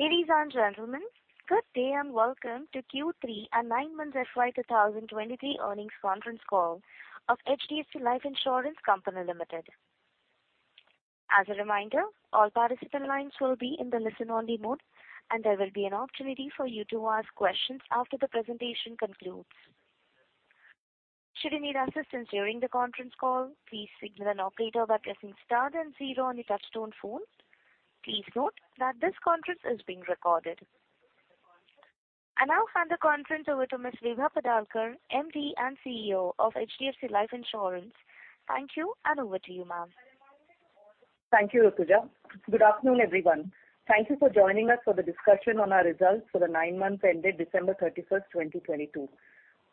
Ladies and gentlemen, good day. Welcome to Q3 and nine months FY 2023 earnings conference call of HDFC Life Insurance Company Limited. As a reminder, all participant lines will be in the listen-only mode. There will be an opportunity for you to ask questions after the presentation concludes. Should you need assistance during the conference call, please signal an operator by pressing star then zero on your touchtone phone. Please note that this conference is being recorded. I now hand the conference over to Ms. Vibha Padalkar, MD and CEO of HDFC Life Insurance. Thank you. Over to you, ma'am. Thank you, Rutuja. Good afternoon, everyone. Thank you for joining us for the discussion on our results for the nine months ended December 31st, 2022.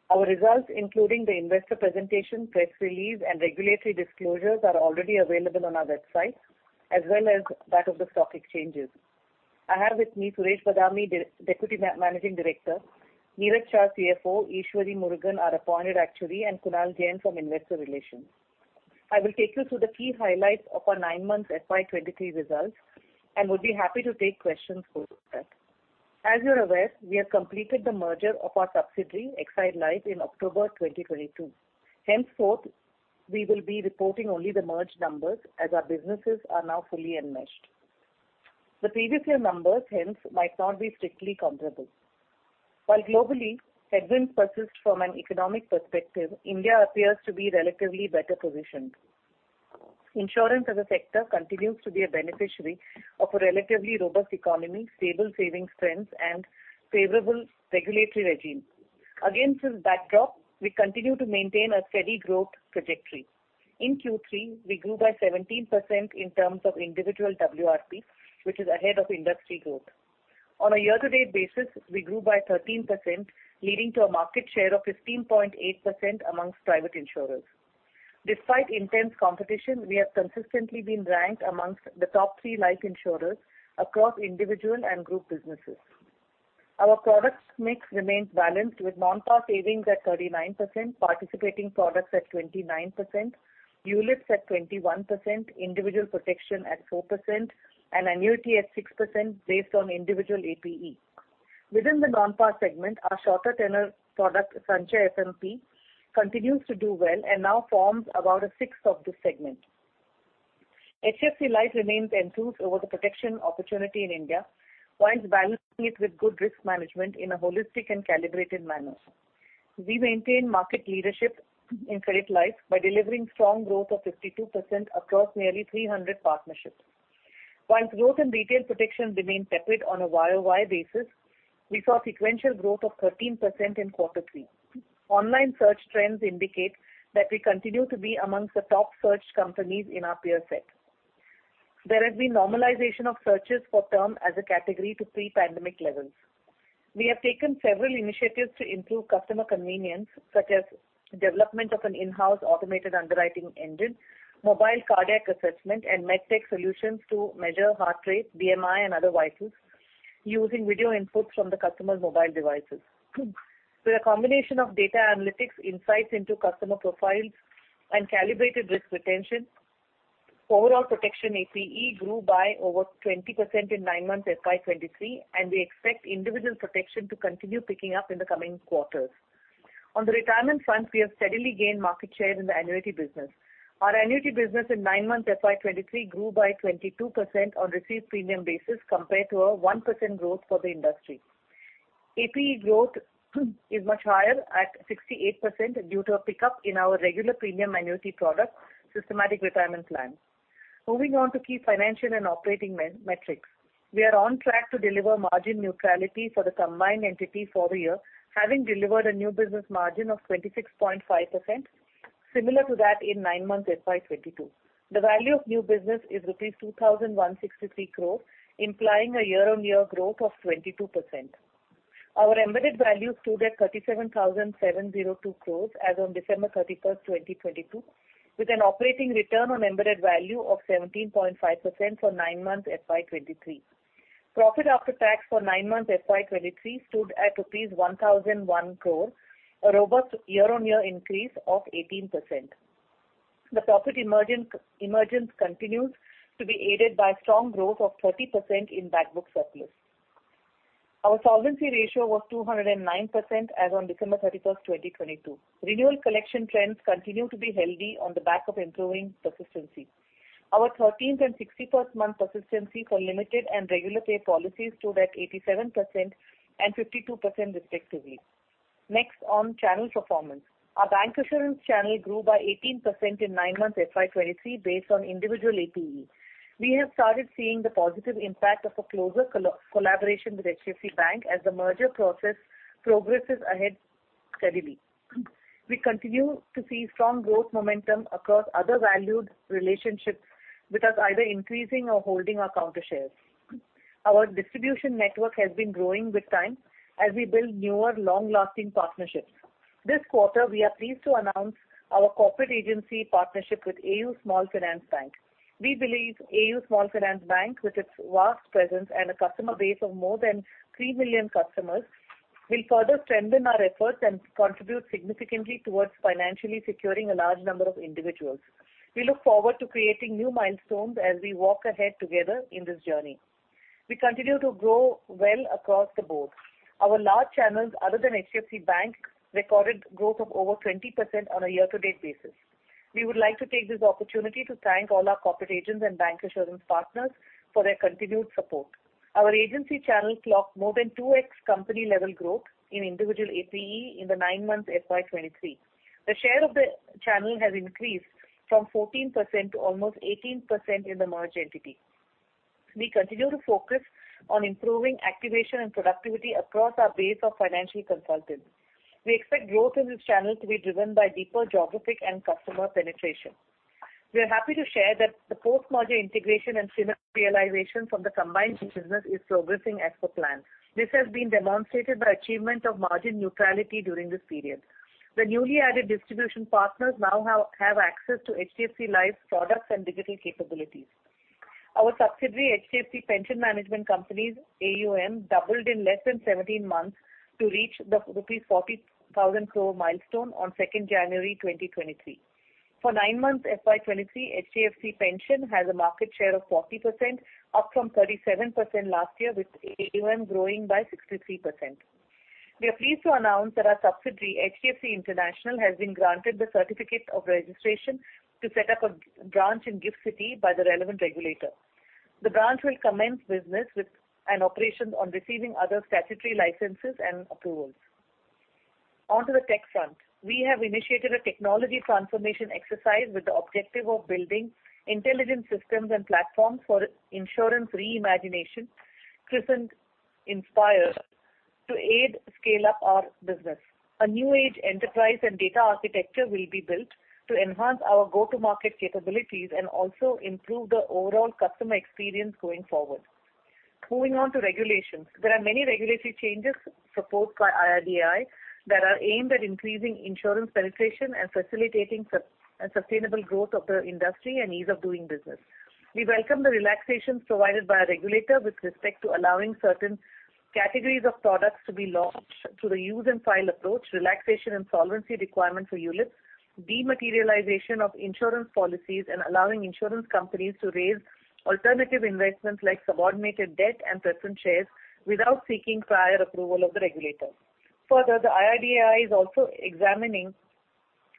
Our results, including the investor presentation, press release, and regulatory disclosures, are already available on our website, as well as that of the stock exchanges. I have with me Suresh Badami, Deputy Managing Director, Niraj Shah, CFO, Eshwari Murugan, our Appointed Actuary, and Kunal Jain from Investor Relations. I will take you through the key highlights of our nine months FY 2023 results and would be happy to take questions post that. As you're aware, we have completed the merger of our subsidiary, Exide Life, in October 2022. We will be reporting only the merged numbers as our businesses are now fully enmeshed. The previous year numbers hence might not be strictly comparable. While globally headwinds persist from an economic perspective, India appears to be relatively better positioned. Insurance as a sector continues to be a beneficiary of a relatively robust economy, stable savings trends, and favorable regulatory regime. Against this backdrop, we continue to maintain a steady growth trajectory. In Q3, we grew by 17% in terms of individual WRP, which is ahead of industry growth. On a year-to-date basis, we grew by 13%, leading to a market share of 15.8% amongst private insurers. Despite intense competition, we have consistently been ranked amongst the top three life insurers across individual and group businesses. Our product mix remains balanced with non-par savings at 39%, participating products at 29%, ULIPs at 21%, individual protection at 4%, and annuity at 6% based on individual APE. Within the non-par segment, our shorter tenure product, Sanchay FMP, continues to do well and now forms about a sixth of this segment. HDFC Life remains enthused over the protection opportunity in India while balancing it with good risk management in a holistic and calibrated manner. We maintain market leadership in credit life by delivering strong growth of 52% across nearly 300 partnerships. Growth in retail protection remained tepid on a YOY basis, we saw sequential growth of 13% in quarter three. Online search trends indicate that we continue to be amongst the top searched companies in our peer set. There has been normalization of searches for term as a category to pre-pandemic levels. We have taken several initiatives to improve customer convenience, such as development of an in-house automated underwriting engine, mobile cardiac assessment, and MedTech solutions to measure heart rate, BMI, and other vitals using video inputs from the customer's mobile devices. Through a combination of data analytics, insights into customer profiles, and calibrated risk retention, overall protection APE grew by over 20% in nine months FY 2023, and we expect individual protection to continue picking up in the coming quarters. On the retirement front, we have steadily gained market share in the annuity business. Our annuity business in nine months FY 2023 grew by 22% on received premium basis compared to a 1% growth for the industry. APE growth is much higher at 68% due to a pickup in our regular premium annuity product, Systematic Retirement Plan. Moving on to key financial and operating metrics. We are on track to deliver margin neutrality for the combined entity for the year, having delivered a new business margin of 26.5%, similar to that in nine months FY 2022. The value of new business is rupees 2,163 crores, implying a year-on-year growth of 22%. Our embedded value stood at 37,702 crores as on December 31, 2022, with an operating return on embedded value of 17.5% for nine months FY 2023. Profit after tax for nine months FY 2023 stood at rupees 1,001 crore, a robust year-on-year increase of 18%. The profit emergence continues to be aided by strong growth of 30% in back book surplus. Our solvency ratio was 209% as on December 31st, 2022. Renewal collection trends continue to be healthy on the back of improving persistency. Our 13th and 61st-month persistency for limited and regular pay policies stood at 87% and 52% respectively. Next on channel performance. Our bank assurance channel grew by 18% in nine months FY 2023 based on individual APE. We have started seeing the positive impact of a closer collaboration with HDFC Bank as the merger process progresses ahead steadily. We continue to see strong growth momentum across other valued relationships with us either increasing or holding our counter shares. Our distribution network has been growing with time as we build newer long-lasting partnerships. This quarter we are pleased to announce our corporate agency partnership with AU Small Finance Bank. We believe AU Small Finance Bank, with its vast presence and a customer base of more than 3 million customers-Will further strengthen our efforts and contribute significantly towards financially securing a large number of individuals. We look forward to creating new milestones as we walk ahead together in this journey. We continue to grow well across the board. Our large channels other than HDFC Bank recorded growth of over 20% on a year-to-date basis. We would like to take this opportunity to thank all our corporate agents and bank assurance partners for their continued support. Our agency channel clocked more than 2x company level growth in individual APE in the nine months FY 2023. The share of the channel has increased from 14% to almost 18% in the merged entity. We continue to focus on improving activation and productivity across our base of financial consultants. We expect growth in this channel to be driven by deeper geographic and customer penetration. We are happy to share that the post-merger integration and synergy realization from the combined business is progressing as per plan. This has been demonstrated by achievement of margin neutrality during this period. The newly added distribution partners now have access to HDFC Life's products and digital capabilities. Our subsidiary, HDFC Pension Management Company's AUM doubled in less than 17 months to reach the rupees 40,000 crore milestone on January 2nd, 2023. For nine months FY 2023, HDFC Pension has a market share of 40%, up from 37% last year, with AUM growing by 63%. We are pleased to announce that our subsidiary, HDFC International, has been granted the certificate of registration to set up a branch in GIFT City by the relevant regulator. The branch will commence business with an operation on receiving other statutory licenses and approvals. Onto the tech front. We have initiated a technology transformation exercise with the objective of building intelligent systems and platforms for insurance reimagination, christened INSPIRE, to aid scale up our business. A new age enterprise and data architecture will be built to enhance our go-to-market capabilities and also improve the overall customer experience going forward. Moving on to regulations. There are many regulatory changes proposed by IRDAI that are aimed at increasing insurance penetration and facilitating sustainable growth of the industry and ease of doing business. We welcome the relaxations provided by our regulator with respect to allowing certain categories of products to be launched through the use-and-file approach, relaxation in solvency requirement for ULIP, dematerialization of insurance policies, and allowing insurance companies to raise alternative investments like subordinated debt and preference shares without seeking prior approval of the regulator. The IRDAI is also examining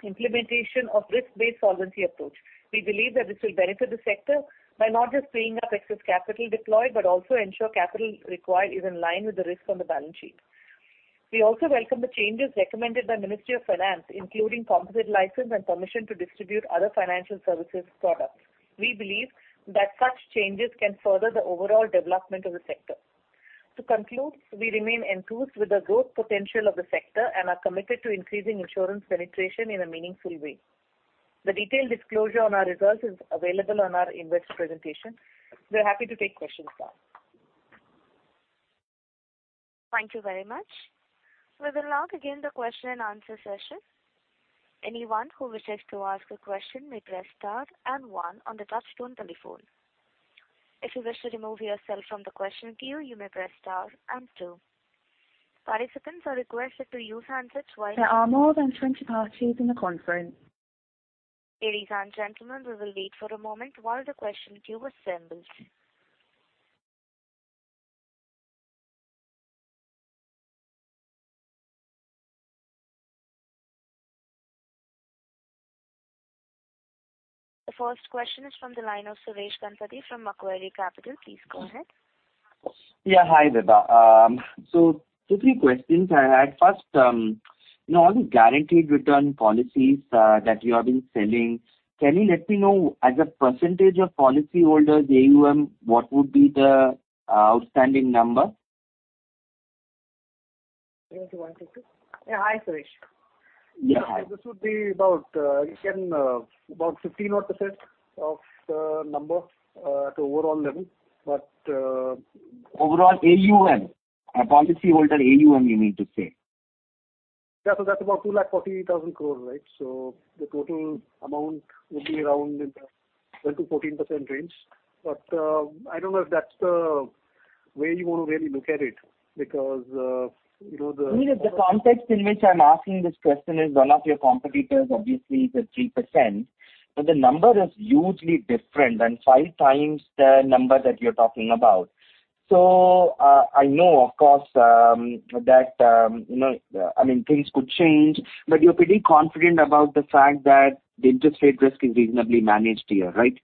implementation of risk-based solvency approach. We believe that this will benefit the sector by not just freeing up excess capital deployed, but also ensure capital required is in line with the risk on the balance sheet. We also welcome the changes recommended by Ministry of Finance, including composite license and permission to distribute other financial services products. We believe that such changes can further the overall development of the sector. To conclude, we remain enthused with the growth potential of the sector and are committed to increasing insurance penetration in a meaningful way. The detailed disclosure on our results is available on our investor presentation. We're happy to take questions now. Thank you very much. We will now begin the question and answer session. Anyone who wishes to ask a question may press star one on the touch-tone telephone. If you wish to remove yourself from the question queue, you may press star two. Participants are requested to use handsets. There are more than 20 parties in the conference. Ladies and gentlemen, we will wait for a moment while the question queue assembles. The first question is from the line of Suresh Ganapathy from Macquarie Capital. Please go ahead. Yeah. Hi, Vibha Padalkar. two, three questions I had. First, you know, all the guaranteed return policies that you have been selling, can you let me know as a % of policyholders AUM, what would be the outstanding number? Yes. Do you want to take this? Yeah. Hi, Suresh. Yeah, hi. This would be about, again, about 15 odd % of number at overall level. Overall AUM, policyholder AUM you mean to say? Yeah. That's about 240,000 crore, right? The total amount would be around in the 12%-14% range. I don't know if that's the way you wanna really look at it because, you know, I mean, the context in which I'm asking this question is one of your competitors obviously is at 3%, but the number is hugely different and five times the number that you're talking about. I know of course that, you know, I mean, things could change, but you're pretty confident about the fact that the interest rate risk is reasonably managed here, right?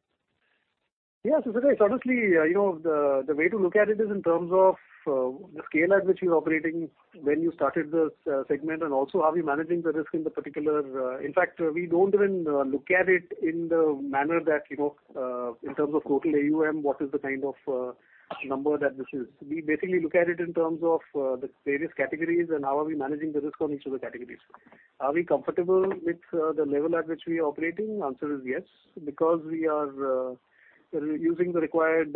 Yeah. Suresh, honestly, you know, the way to look at it is in terms of the scale at which you're operating when you started this segment, and also are we managing the risk in the particular. In fact, we don't even look at it in the manner that, you know, in terms of total AUM, what is the kind of number that this is. We basically look at it in terms of the various categories and how are we managing the risk on each of the categories. Are we comfortable with the level at which we are operating? Answer is yes, because we are using the required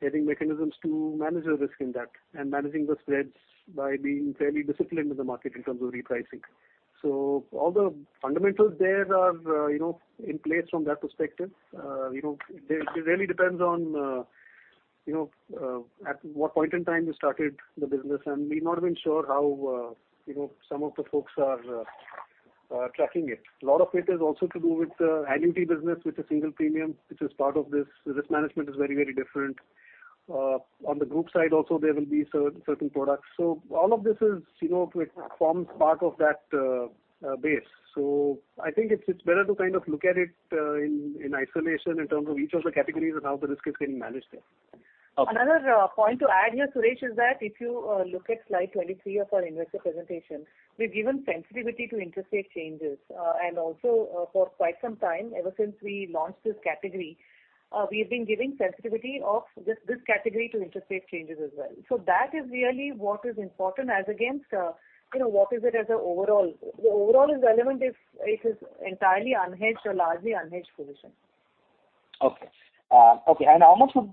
hedging mechanisms to manage the risk in that and managing the spreads by being fairly disciplined with the market in terms of repricing. All the fundamentals there are, you know, in place from that perspective. You know, it really depends on. You know, at what point in time we started the business and we've not been sure how, you know, some of the folks are tracking it. A lot of it is also to do with the annuity business with a single premium, which is part of this. The risk management is very, very different. On the group side also there will be certain products. All of this is, you know, it forms part of that base. I think it's better to kind of look at it in isolation in terms of each of the categories and how the risk is being managed there. Okay. Another point to add here, Suresh, is that if you look at slide 23 of our investor presentation, we've given sensitivity to interest rate changes. Also, for quite some time, ever since we launched this category, we've been giving sensitivity of just this category to interest rate changes as well. That is really what is important as against, you know, what is it as a overall. The overall is relevant if it is entirely unhedged or largely unhedged position. Okay. Okay. How much would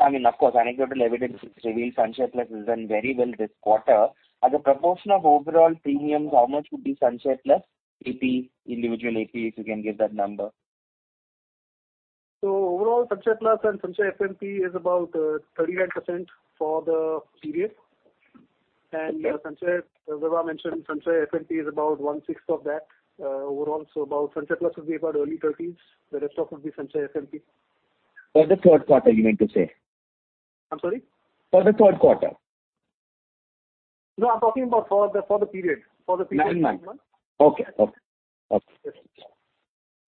I mean, of course, anecdotal evidence has revealed Sanchay Plus has done very well this quarter? As a proportion of overall premiums, how much would be Sanchay Plus AP, individual AP, if you can give that number? Overall, Sanchay Plus and Sanchay FMP is about 38% for the period. Sanchay, as Vibha mentioned, Sanchay FMP is about one-sixth of that, overall. About Sanchay Plus would be about early thirties. The rest of would be Sanchay FMP. For the third quarter, you mean to say? I'm sorry? For the third quarter. No, I'm talking about for the period. For the period nine months. Nine. Okay.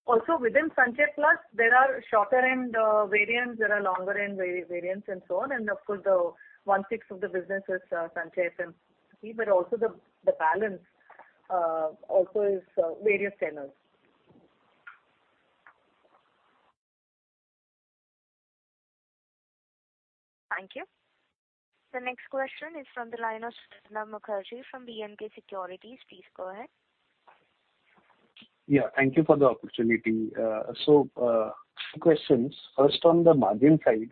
Also within Sanchay Plus, there are shorter end variants, there are longer end variants and so on. Of course, the 1/6 of the business is Sanchay FMP, also the balance also is various tenors. Thank you. The next question is from the line of Swarnabha Mukherjee from B&K Securities. Please go ahead. Yeah, thank you for the opportunity. Two questions. First, on the margin side.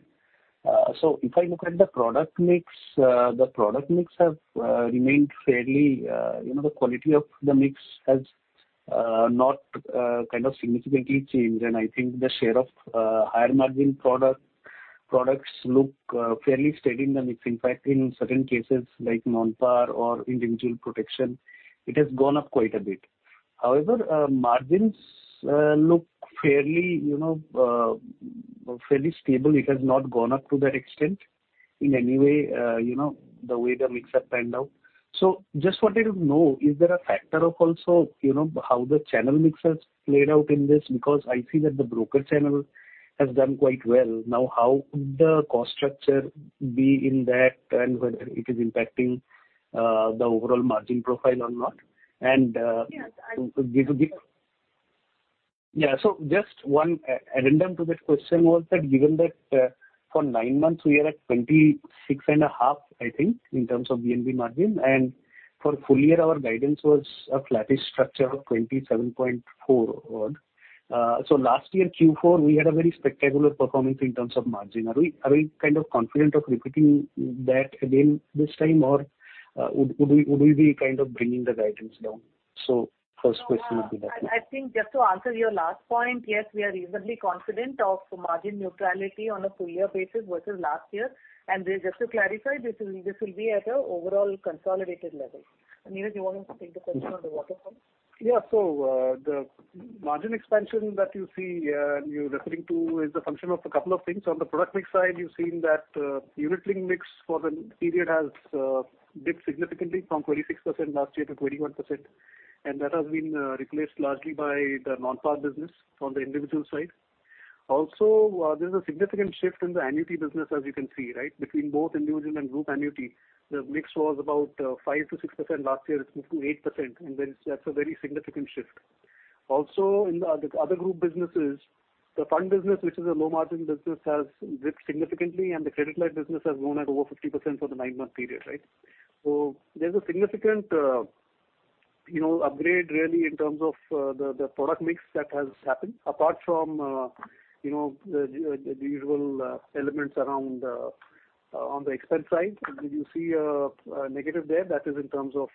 If I look at the product mix, the product mix have remained fairly, you know, the quality of the mix has not kind of significantly changed. I think the share of higher margin products look fairly steady in the mix. In fact, in certain cases like non-par or individual protection, it has gone up quite a bit. Margins look fairly, you know, fairly stable. It has not gone up to that extent in any way, you know, the way the mix have panned out. Just wanted to know, is there a factor of also, you know, how the channel mix has played out in this? Because I see that the broker channel has done quite well. How could the cost structure be in that and whether it is impacting the overall margin profile or not? Yes. Yeah. Just one addendum to that question was that given that, for nine months we are at 26.5%, I think, in terms of VNB margin, and for full year our guidance was a flattish structure of 27.4% odd. Last year Q4 we had a very spectacular performance in terms of margin. Are we kind of confident of repeating that again this time or, would we be kind of bringing the guidance down? First question would be that. I think just to answer your last point, yes, we are reasonably confident of margin neutrality on a full year basis versus last year. Just to clarify, this will be at a overall consolidated level. Niraj, you want to take the question on the water front? The margin expansion that you see and you're referring to is a function of a couple of things. On the product mix side, you've seen that unit link mix for the period has dipped significantly from 26% last year to 21%. That has been replaced largely by the non-par business from the individual side. There's a significant shift in the annuity business as you can see, right? Between both individual and group annuity. The mix was about 5%-6% last year. It's moved to 8%, and that's a very significant shift. In the other group businesses, the fund business which is a low margin business, has dipped significantly and the credit life business has grown at over 50% for the nine-month period, right? There's a significant, you know, upgrade really in terms of the product mix that has happened. Apart from, you know, the usual elements around on the expense side. If you see a negative there, that is in terms of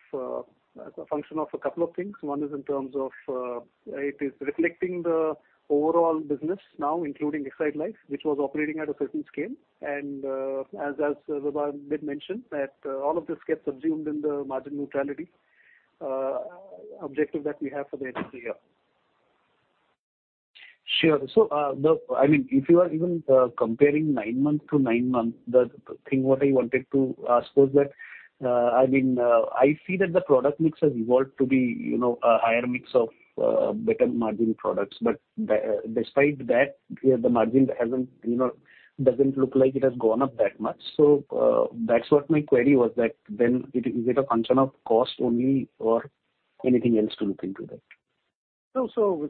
a function of a couple of things. One is in terms of it is reflecting the overall business now including Exide Life, which was operating at a certain scale. As Vibha did mention that all of this gets subsumed in the margin neutrality objective that we have for the entity here. Sure. I mean, if you are even, comparing nine months to nine months, the thing what I wanted to ask was that, I mean, I see that the product mix has evolved to be, you know, a higher mix of, better margin products. Despite that, the margin hasn't, you know, doesn't look like it has gone up that much. That's what my query was that then is it a function of cost only or anything else to look into that?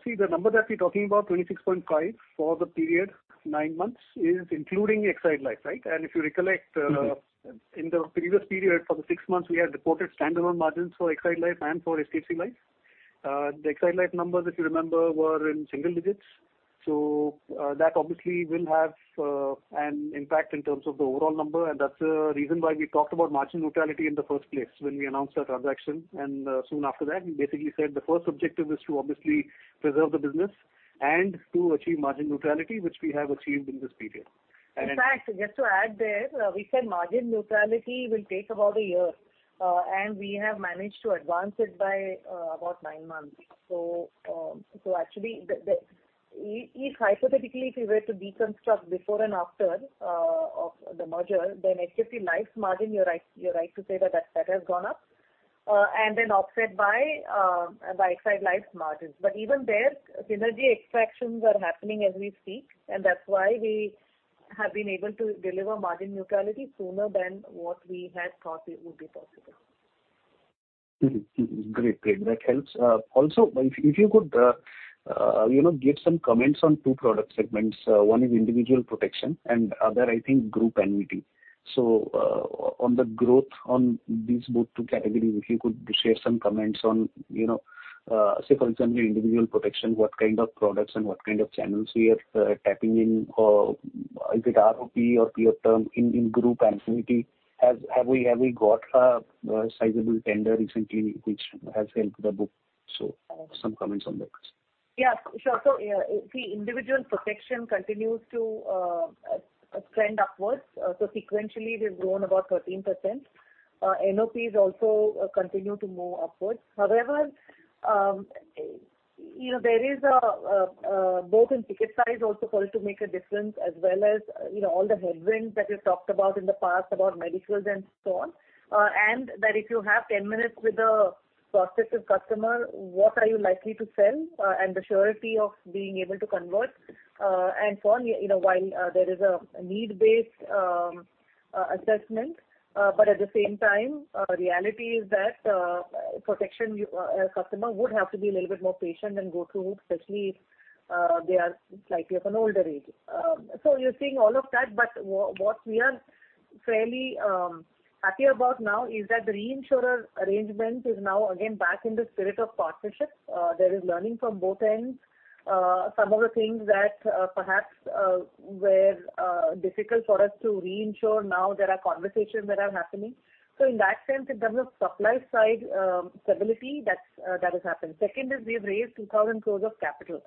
See the number that we're talking about, 26.5 for the period nine months is including Exide Life, right? Mm-hmm. In the previous period for the six months we had reported standalone margins for Exide Life and for HDFC Life. The Exide Life numbers, if you remember, were in single digits. That obviously will have an impact in terms of the overall number, and that's the reason why we talked about margin neutrality in the first place when we announced our transaction. Soon after that we basically said the first objective is to obviously preserve the business. To achieve margin neutrality, which we have achieved in this period. In fact, just to add there, we said margin neutrality will take about a year, and we have managed to advance it by about nine months. Actually the if hypothetically if you were to deconstruct before and after of the merger, then HDFC Life's margin, you're right to say that has gone up. And then offset by Exide Life's margins. Even there, synergy extractions are happening as we speak, and that's why we have been able to deliver margin neutrality sooner than what we had thought it would be possible. Mm-hmm. Mm-hmm. Great. Great. That helps. Also if you could, you know, give some comments on two product segments. One is individual protection and other, I think group annuity. On the growth on these both two categories, if you could share some comments on, you know, say for example, individual protection, what kind of products and what kind of channels we are tapping in? Or is it ROP or pure term in group annuity? Have we got a sizable tender recently which has helped the book? Some comments on that. Yeah, sure. See individual protection continues to trend upwards. Sequentially we've grown about 13%. NOPs also continue to move upwards. You know, there is a both in ticket size also called to make a difference as well as, you know, all the headwinds that you talked about in the past about medicals and so on. That if you have 10 minutes with a prospective customer, what are you likely to sell, and the surety of being able to convert, and so on. You know, while there is a need-based assessment, at the same time, reality is that protection customer would have to be a little bit more patient and go through hoops, especially, they are likely of an older age. You're seeing all of that, but what we are fairly happy about now is that the reinsurer arrangement is now again back in the spirit of partnership. There is learning from both ends. Some of the things that perhaps were difficult for us to reinsure now there are conversations that are happening. In that sense, in terms of supply side stability, that's that has happened. Second is we have raised 2,000 crore of capital.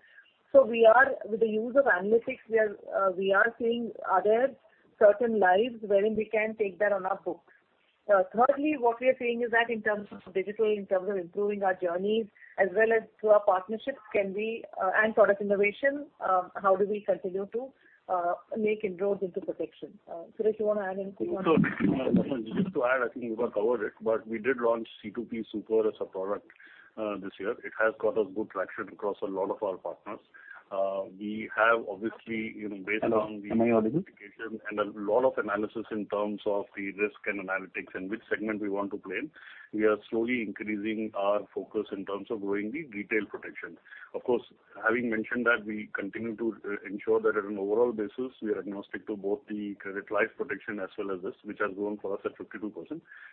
We are with the use of analytics, we are seeing other certain lives wherein we can take that on our books. Thirdly, what we are seeing is that in terms of digital, in terms of improving our journeys as well as through our partnerships, can we, and product innovation, how do we continue to make inroads into protection? Suresh you wanna add anything on this? Just to add, I think you've covered it, but we did launch C2P Super as a product this year. It has got us good traction across a lot of our partners. We have obviously, you know, based on. Hello. Am I audible? A lot of analysis in terms of the risk and analytics and which segment we want to play in. We are slowly increasing our focus in terms of growing the retail protection. Of course, having mentioned that, we continue to ensure that on an overall basis we are agnostic to both the credit life protection as well as this, which has grown for us at 52%,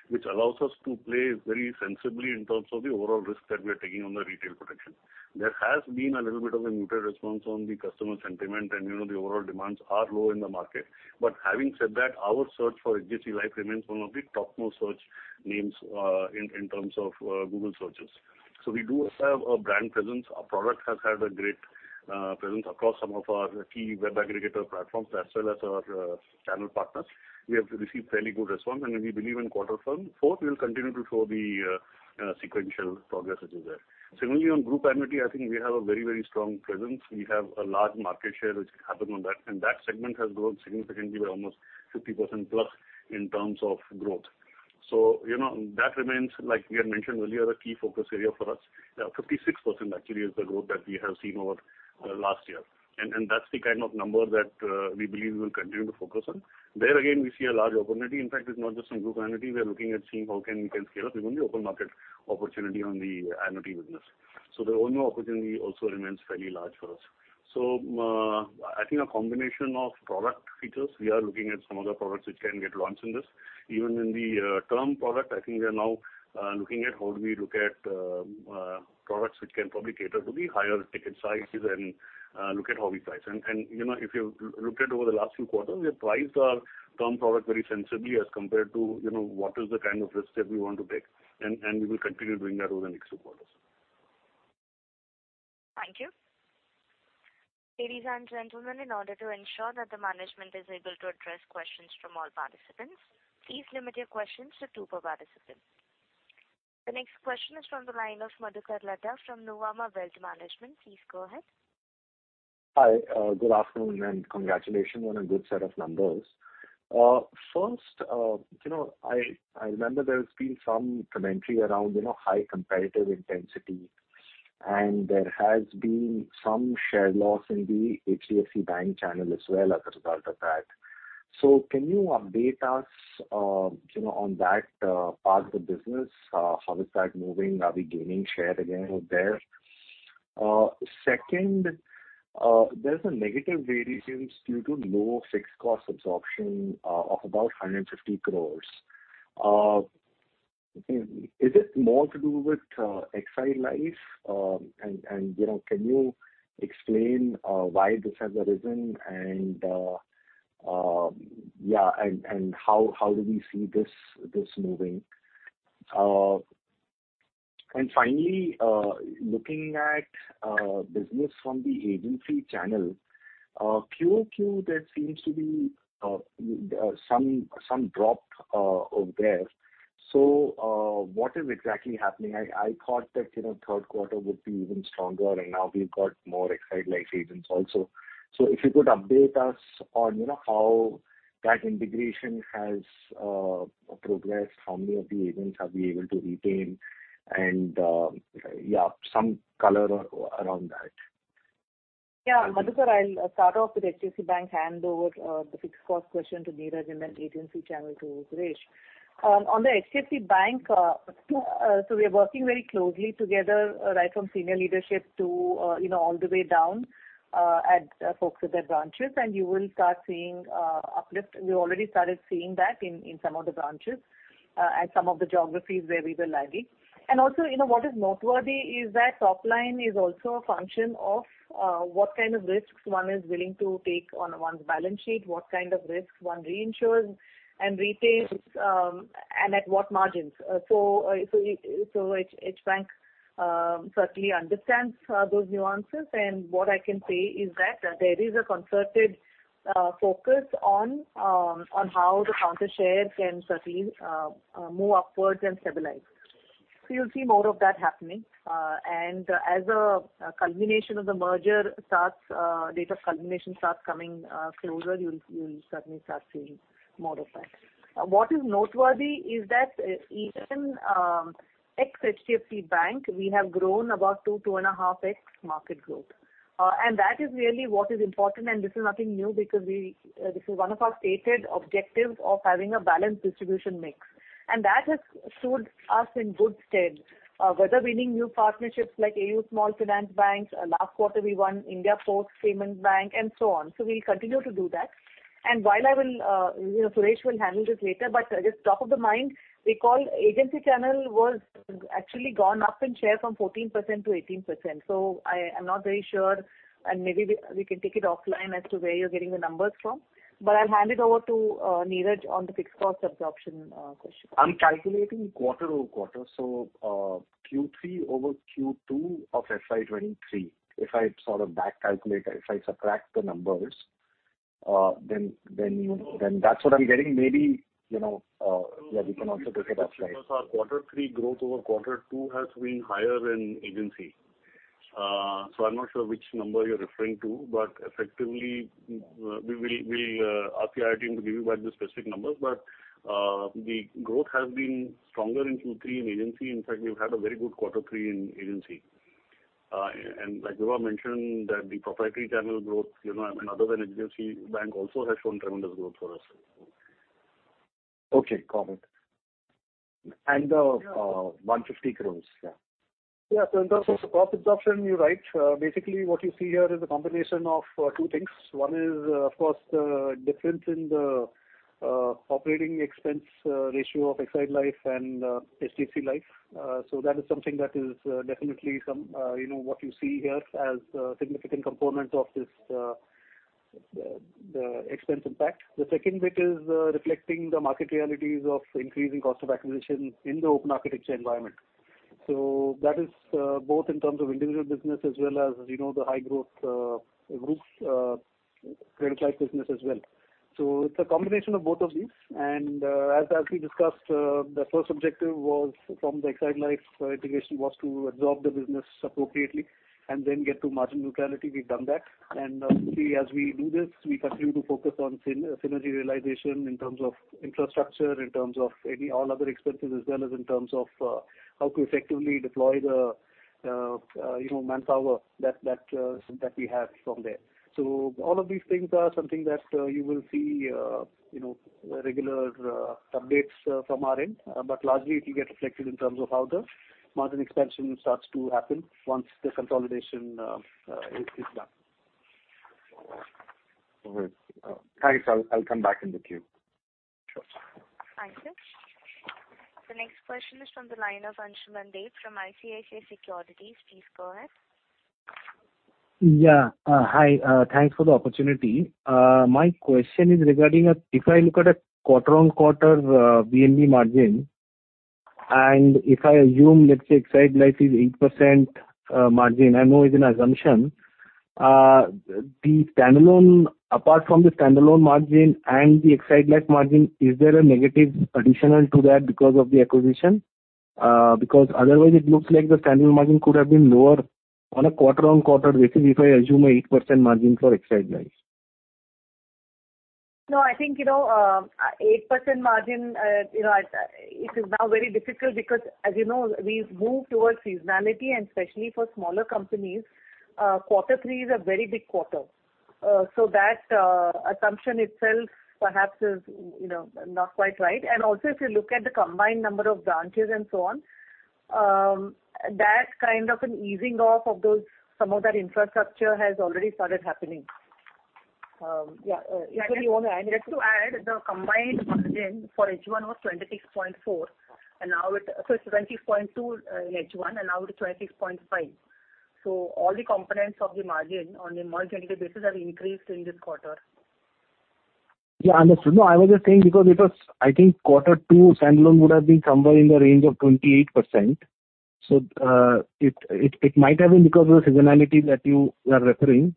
which allows us to play very sensibly in terms of the overall risk that we are taking on the retail protection. There has been a little bit of a neutral response on the customer sentiment and, you know, the overall demands are low in the market. Having said that, our search for HDFC Life remains one of the top most searched names, in terms of, Google searches. We do have a brand presence. Our product has had a great presence across some of our key web aggregator platforms as well as our channel partners. We have received fairly good response, and we believe in quarter from fourth we'll continue to show the sequential progress which is there. Similarly, on group annuity, I think we have a very, very strong presence. We have a large market share which happen on that, and that segment has grown significantly by almost 50%+ in terms of growth. So, you know, that remains, like we had mentioned earlier, a key focus area for us. 56% actually is the growth that we have seen over last year. That's the kind of number that we believe we'll continue to focus on. There again, we see a large opportunity. In fact, it's not just on group annuity. We are looking at seeing how we can scale up even the open market opportunity on the annuity business. The overall opportunity also remains fairly large for us. I think a combination of product features, we are looking at some of the products which can get launched in this. Even in the term product, I think we are now looking at how do we look at products which can probably cater to the higher ticket sizes and look at how we price. You know, if you looked at over the last few quarters, we have priced our term product very sensibly as compared to, you know, what is the kind of risk that we want to take. We will continue doing that over the next two quarters. Thank you. Ladies and gentlemen, in order to ensure that the management is able to address questions from all participants, please limit your questions to two per participant. The next question is from the line of Madhukar Ladha from Nuvama Wealth Management. Please go ahead. Hi. good afternoon, and congratulations on a good set of numbers. First, you know, I remember there's been some commentary around, you know, high competitive intensity, and there has been some share loss in the HDFC Bank channel as well as a result of that. Can you update us, you know, on that part of the business? How is that moving? Are we gaining share again there? Second, there's a negative variations due to low fixed cost absorption, of about 150 crores. Is it more to do with Exide Life? You know, can you explain why this has arisen and, yeah, and how do we see this moving? Finally, looking at business from the agency channel, QOQ, there seems to be some drop over there. What is exactly happening? I thought that, you know, third quarter would be even stronger, and now we've got more Exide Life agents also. If you could update us on, you know, how that integration has progressed, how many of the agents have we able to retain and, yeah, some color around that. Yeah. Madhukar, I'll start off with HDFC Bank, hand over the fixed cost question to Niraj and then agency channel to Suresh. On the HDFC Bank, we are working very closely together, right from senior leadership to, you know, all the way down at folks at their branches, and you will start seeing uplift. We already started seeing that in some of the branches at some of the geographies where we were live. Also, you know, what is noteworthy is that top line is also a function of what kind of risks one is willing to take on one's balance sheet, what kind of risks one reinsures and retains, and at what margins. So HBank certainly understands those nuances. What I can say is that there is a concerted focus on on how the counter share can certainly move upwards and stabilize. You'll see more of that happening. As a culmination of the merger starts, date of culmination starts coming closer, you'll certainly start seeing more of that. What is noteworthy is that even ex HDFC Bank, we have grown about 2.5x market growth. That is really what is important and this is nothing new because this is one of our stated objectives of having a balanced distribution mix, and that has stood us in good stead. Whether winning new partnerships like AU Small Finance Banks, last quarter we won India Post Payments Bank and so on. We'll continue to do that. While I will, you know, Suresh will handle this later, but just top of the mind, recall agency channel was actually gone up in share from 14%-18%. I'm not very sure, and maybe we can take it offline as to where you're getting the numbers from. I'll hand it over to Niraj on the fixed cost absorption question. I'm calculating quarter-over-quarter, Q3 over Q2 of FY 2023. If I sort of back calculate, if I subtract the numbers, then that's what I'm getting. Maybe, you know, yeah, we can also take it offline. Because our quarter three growth over quarter two has been higher in agency. I'm not sure which number you're referring to, effectively, we'll ask the IR team to give you back the specific numbers. The growth has been stronger in Q3 in agency. In fact, we've had a very good quarter three in agency. Like Vibha mentioned, that the proprietary channel growth, you know, and other than agency bank also has shown tremendous growth for us. Okay. Got it. 150 crores. Yeah. Yeah. In terms of cost absorption, you're right. Basically what you see here is a combination of two things. One is, of course, the difference in the operating expense ratio of Exide Life and HDFC Life. That is something that is definitely some, you know, what you see here as a significant component of this, the expense impact. The second bit is reflecting the market realities of increasing cost of acquisition in the open architecture environment. That is both in terms of individual business as well as, you know, the high growth groups credit life business as well. It's a combination of both of these. As we discussed, the first objective was from the Exide Life integration was to absorb the business appropriately and then get to margin neutrality. We've done that. Obviously, as we do this, we continue to focus on synergy realization in terms of infrastructure, in terms of any all other expenses, as well as in terms of how to effectively deploy the, you know, manpower that we have from there. All of these things are something that you will see, you know, regular updates from our end. Largely, it will get reflected in terms of how the margin expansion starts to happen once the consolidation is done. Thanks. I'll come back in the queue. Sure. Thanks, sir. The next question is from the line of Ansuman Deb from ICICI Securities. Please go ahead. Yeah. Hi. Thanks for the opportunity. My question is regarding, if I look at a quarter-on-quarter VNB margin, and if I assume, let's say Exide Life is 8% margin, I know is an assumption, apart from the standalone margin and the Exide Life margin, is there a negative additional to that because of the acquisition? Otherwise it looks like the standalone margin could have been lower on a quarter-on-quarter basis if I assume a 8% margin for Exide Life. No, I think, you know, 8% margin, you know, it is now very difficult because as you know, we've moved towards seasonality and especially for smaller companies, quarter three is a very big quarter. So that assumption itself perhaps is, you know, not quite right. Also if you look at the combined number of branches and so on, that kind of an easing off of those, some of that infrastructure has already started happening. Yeah. If you want to add anything. Just to add, the combined margin for H1 was 26.4%, so it's 26.2% in H1 and now it is 26.5%. All the components of the margin on a margin basis have increased in this quarter. Understood. No, I was just saying because it was, I think quarter two standalone would have been somewhere in the range of 28%. It might have been because of the seasonality that you are referring.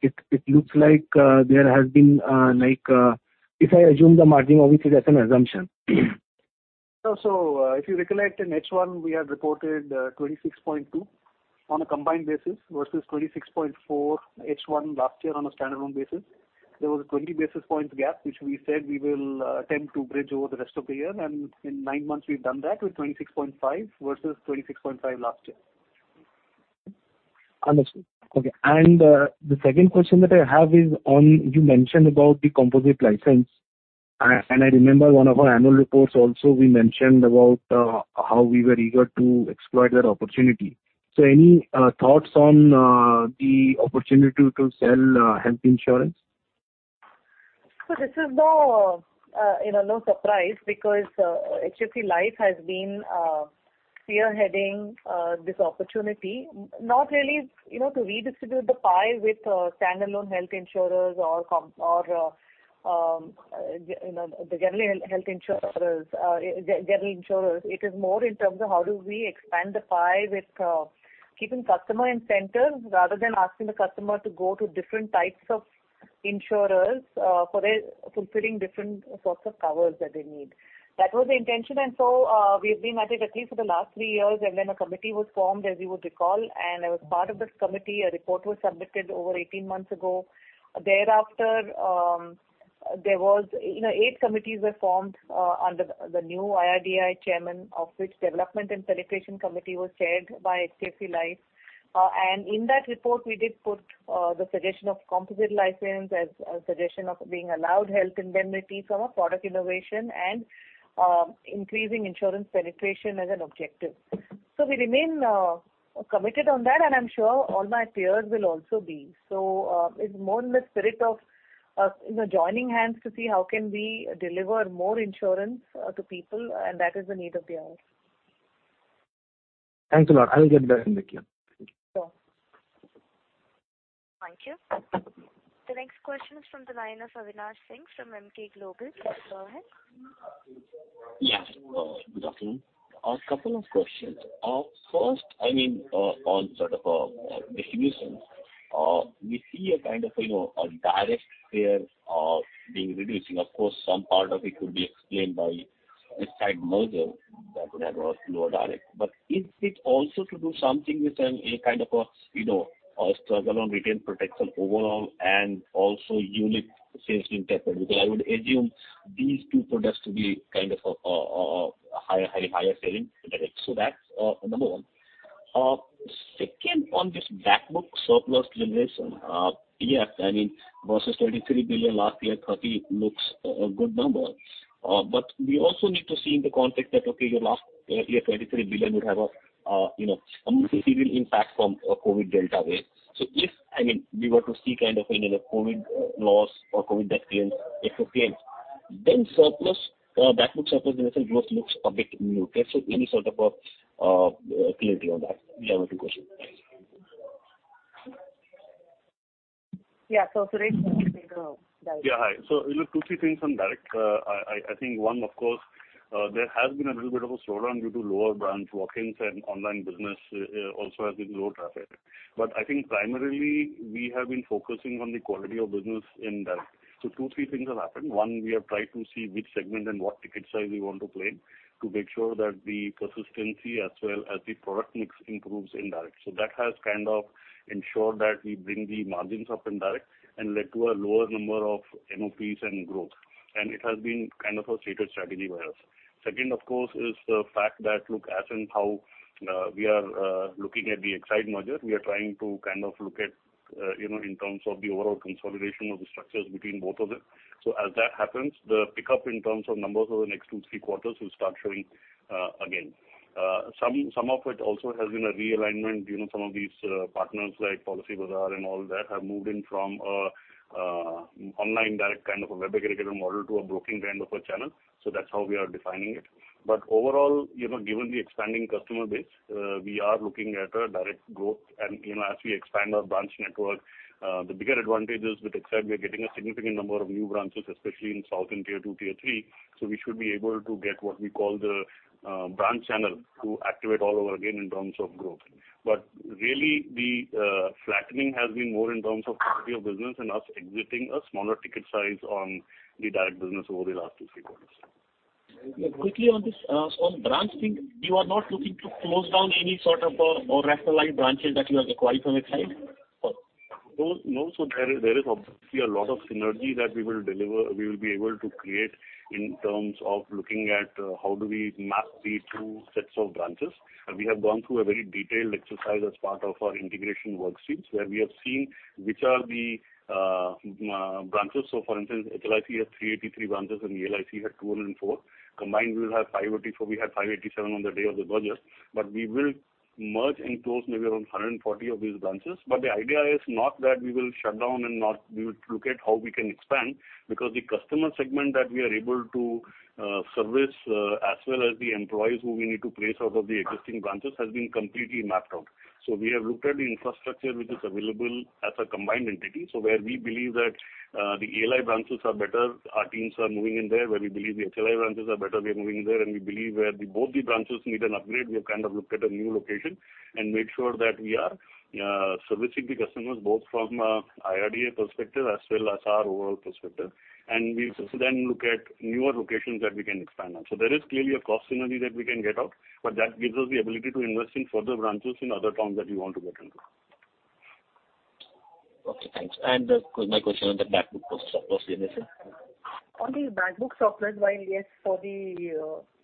It looks like there has been like if I assume the margin obviously is as an assumption. If you recollect in H1 we had reported, 26.2% on a combined basis versus 26.4% H1 last year on a standalone basis. There was a 20 basis points gap, which we said we will attempt to bridge over the rest of the year and in nine months we've done that with 26.5% versus 26.5% last year. Understood. Okay. The second question that I have is on you mentioned about the composite license. I remember one of our annual reports also we mentioned about how we were eager to exploit that opportunity. Any thoughts on the opportunity to sell health insurance? This is no, you know, no surprise because HDFC Life has been spearheading this opportunity not really, you know, to redistribute the pie with standalone health insurers or, you know, the general health insurers, general insurers. It is more in terms of how do we expand the pie with keeping customer in center rather than asking the customer to go to different types of insurers for a fulfilling different sorts of covers that they need. That was the intention. We've been at it at least for the last three years. Then a committee was formed, as you would recall, and I was part of this committee. A report was submitted over 18 months ago. Thereafter, there was, you know, eight committees were formed under the new IRDAI chairman of which development and penetration committee was chaired by HDFC Life. In that report we did put the suggestion of composite license as a suggestion of being allowed health indemnity from a product innovation and increasing insurance penetration as an objective. We remain committed on that, and I'm sure all my peers will also be. It's more in the spirit of, you know, joining hands to see how can we deliver more insurance to people, and that is the need of the hour. Thanks a lot. I will get back in the queue. Sure. Thank you. The next question is from the line of Avinash Singh from Emkay Global. Please go ahead. Yes. Good afternoon. A couple of questions. First, I mean, on sort of distributions. We see a kind of, you know, a direct sphere being reducing. Of course, some part of it could be explained by Exide merger that would have brought lower direct. Is it also to do something with a kind of a, you know, a struggle on retail protection overall and also unique sales interpreter? I would assume these two products to be kind of a higher selling. That's number one. Second, on this back book surplus generation, yeah, I mean, versus 23 billion last year, 30 billion looks a good number. We also need to see in the context that, okay, your last year, 23 billion would have a, you know, a material impact from a COVID delta wave. If, I mean, we were to see kind of, you know, the COVID loss or COVID death claims FPL, then surplus, that would surplus generation growth looks a bit muted. Any sort of clarity on that? Yeah, two questions. Thanks. Yeah. Suresh can take direct. Yeah. Hi. You know, two, three things on direct. I think one of course, there has been a little bit of a slowdown due to lower branch walk-ins and online business, also has been low traffic. I think primarily we have been focusing on the quality of business in direct. two, three things have happened. One, we have tried to see which segment and what ticket size we want to play to make sure that the consistency as well as the product mix improves in direct. That has kind of ensured that we bring the margins up in direct and led to a lower number of NOPs and growth. It has been kind of a stated strategy by us. Second, of course, is the fact that look as and how we are looking at the Exide merger, we are trying to kind of look at, you know, in terms of the overall consolidation of the structures between both of them. As that happens, the pickup in terms of numbers over the next two, three quarters will start showing again. Some of it also has been a realignment. You know, some of these partners like Policybazaar and all that have moved in from online direct kind of a web aggregator model to a broking kind of a channel. That's how we are defining it. Overall, you know, given the expanding customer base, we are looking at a direct growth. You know, as we expand our branch network, the bigger advantage is with Exide we're getting a significant number of new branches, especially in South in tier two, tier three. We should be able to get what we call the branch channel to activate all over again in terms of growth. Really the flattening has been more in terms of quality of business and us exiting a smaller ticket size on the direct business over the last two, three quarters. Quickly on this, on branch thing, you are not looking to close down any sort of rationalized branches that you have acquired from Exide? No, no. there is obviously a lot of synergy that we will be able to create in terms of looking at how do we map the two sets of branches. We have gone through a very detailed exercise as part of our integration work streams, where we have seen which are the, uh, branches. For instance, HLIC has 383 branches and HLIC had 204. Combined we will have 584. We had 587 on the day of the merger. We will merge and close maybe around 140 of these branches. The idea is not that we will shut down, we would look at how we can expand because the customer segment that we are able to service, as well as the employees who we need to place out of the existing branches has been completely mapped out. We have looked at the infrastructure which is available as a combined entity. Where we believe that the HLI branches are better, our teams are moving in there. Where we believe the HLI branches are better, we are moving there. We believe where the both the branches need an upgrade, we have kind of looked at a new location and made sure that we are servicing the customers both from IRDA perspective as well as our overall perspective. We so then look at newer locations that we can expand on. There is clearly a cost synergy that we can get out, but that gives us the ability to invest in further branches in other towns that we want to get into. Okay, thanks. My question on the back book surplus, Nimisha. On the back book surplus, while yes, for the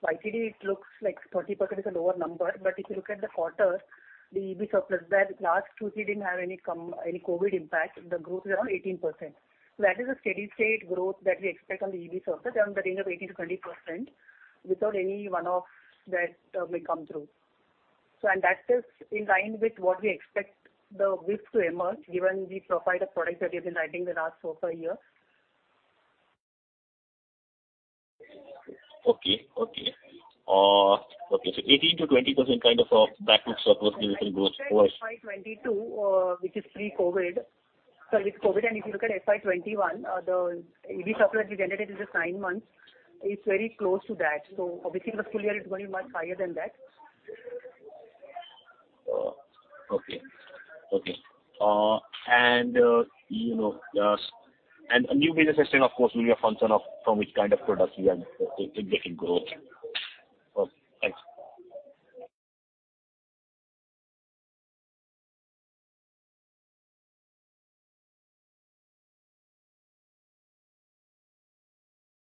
YTD it looks like 30% is a lower number, but if you look at the quarter, the E&S surplus there, last two, three didn't have any COVID impact. The growth is around 18%. That is a steady state growth that we expect on the E&S surplus around the range of 18%-20% without any one-offs that may come through. That is in line with what we expect the VIF to emerge, given the profile of products that we have been writing the last four-five years. Okay. Okay. Okay. 18%-20% kind of back book surplus typically grows for us. If you look at FY 2022, which is pre-COVID. Sorry, with COVID, and if you look at FY 2021, the E&S surplus we generated in the nine months is very close to that. Obviously the full year is going much higher than that. Okay. Okay. You know, a new business estimate of course will be a function of from which kind of products we are taking growth. Okay,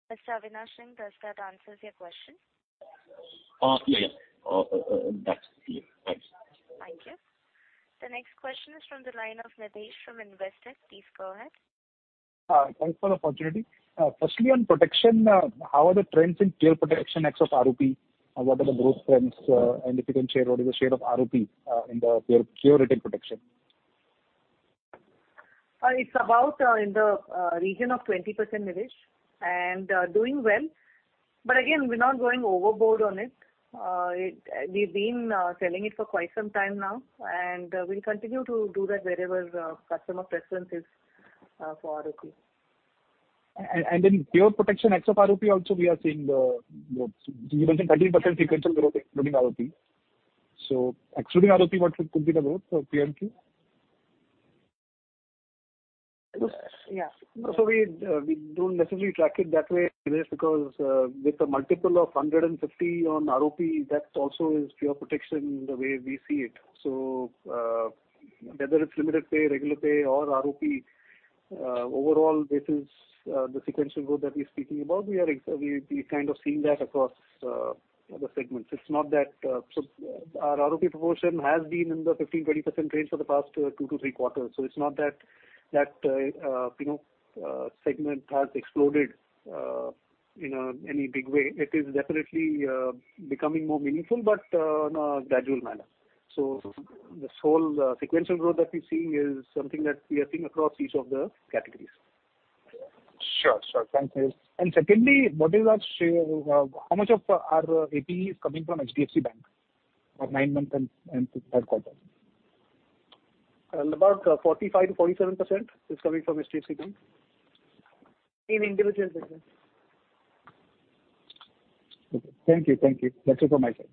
thanks. Mr. Avinash, does that answer your question? Yeah. That's it. Thanks. Thank you. The next question is from the line of Nilesh from Investec. Please go ahead. Thanks for the opportunity. Firstly on protection, how are the trends in pure protection ex of ROP? What are the growth trends, and if you can share what is the share of ROP in the pure retail protection? It's about, in the region of 20%, Nilesh, and doing well. Again, we're not going overboard on it. We've been selling it for quite some time now, and we'll continue to do that wherever the customer preference is for ROP. In pure protection ex of ROP also we are seeing the growth. You mentioned 13% sequential growth including ROP. Excluding ROP, what could be the growth of pure Q? Yes. We don't necessarily track it that way, Nilesh, because with a multiple of 150 on ROP, that also is pure protection the way we see it. Whether it's limited pay, regular pay or ROP, overall this is the sequential growth that we're speaking about. We are kind of seeing that across the segments. It's not that, so our ROP proportion has been in the 15%-20% range for the past two-three quarters. It's not that, you know, segment has exploded in any big way. It is definitely becoming more meaningful, but in a gradual manner. This whole sequential growth that we're seeing is something that we are seeing across each of the categories. Sure. Sure. Thanks, Niraj. Secondly, what is our share, how much of our APE is coming from HDFC Bank for nine months and third quarter? About 45%-47% is coming from HDFC Bank. In individual business. Okay. Thank you. Thank you. That's it from my side.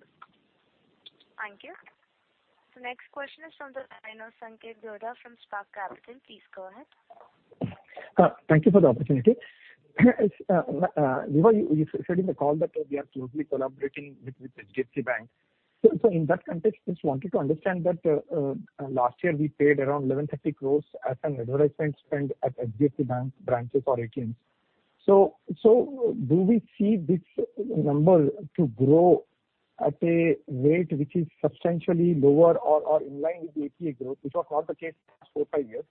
Thank you. The next question is from the line of Sanketh Godha from Spark Capital. Please go ahead. Thank you for the opportunity. Nima, you said in the call that we are closely collaborating with HDFC Bank. In that context, just wanted to understand that last year we paid around 1,130 crore as an advertisement spend at HDFC Bank branches or ATMs. Do we see this number to grow at a rate which is substantially lower or in line with APE growth, which was not the case for four-five years?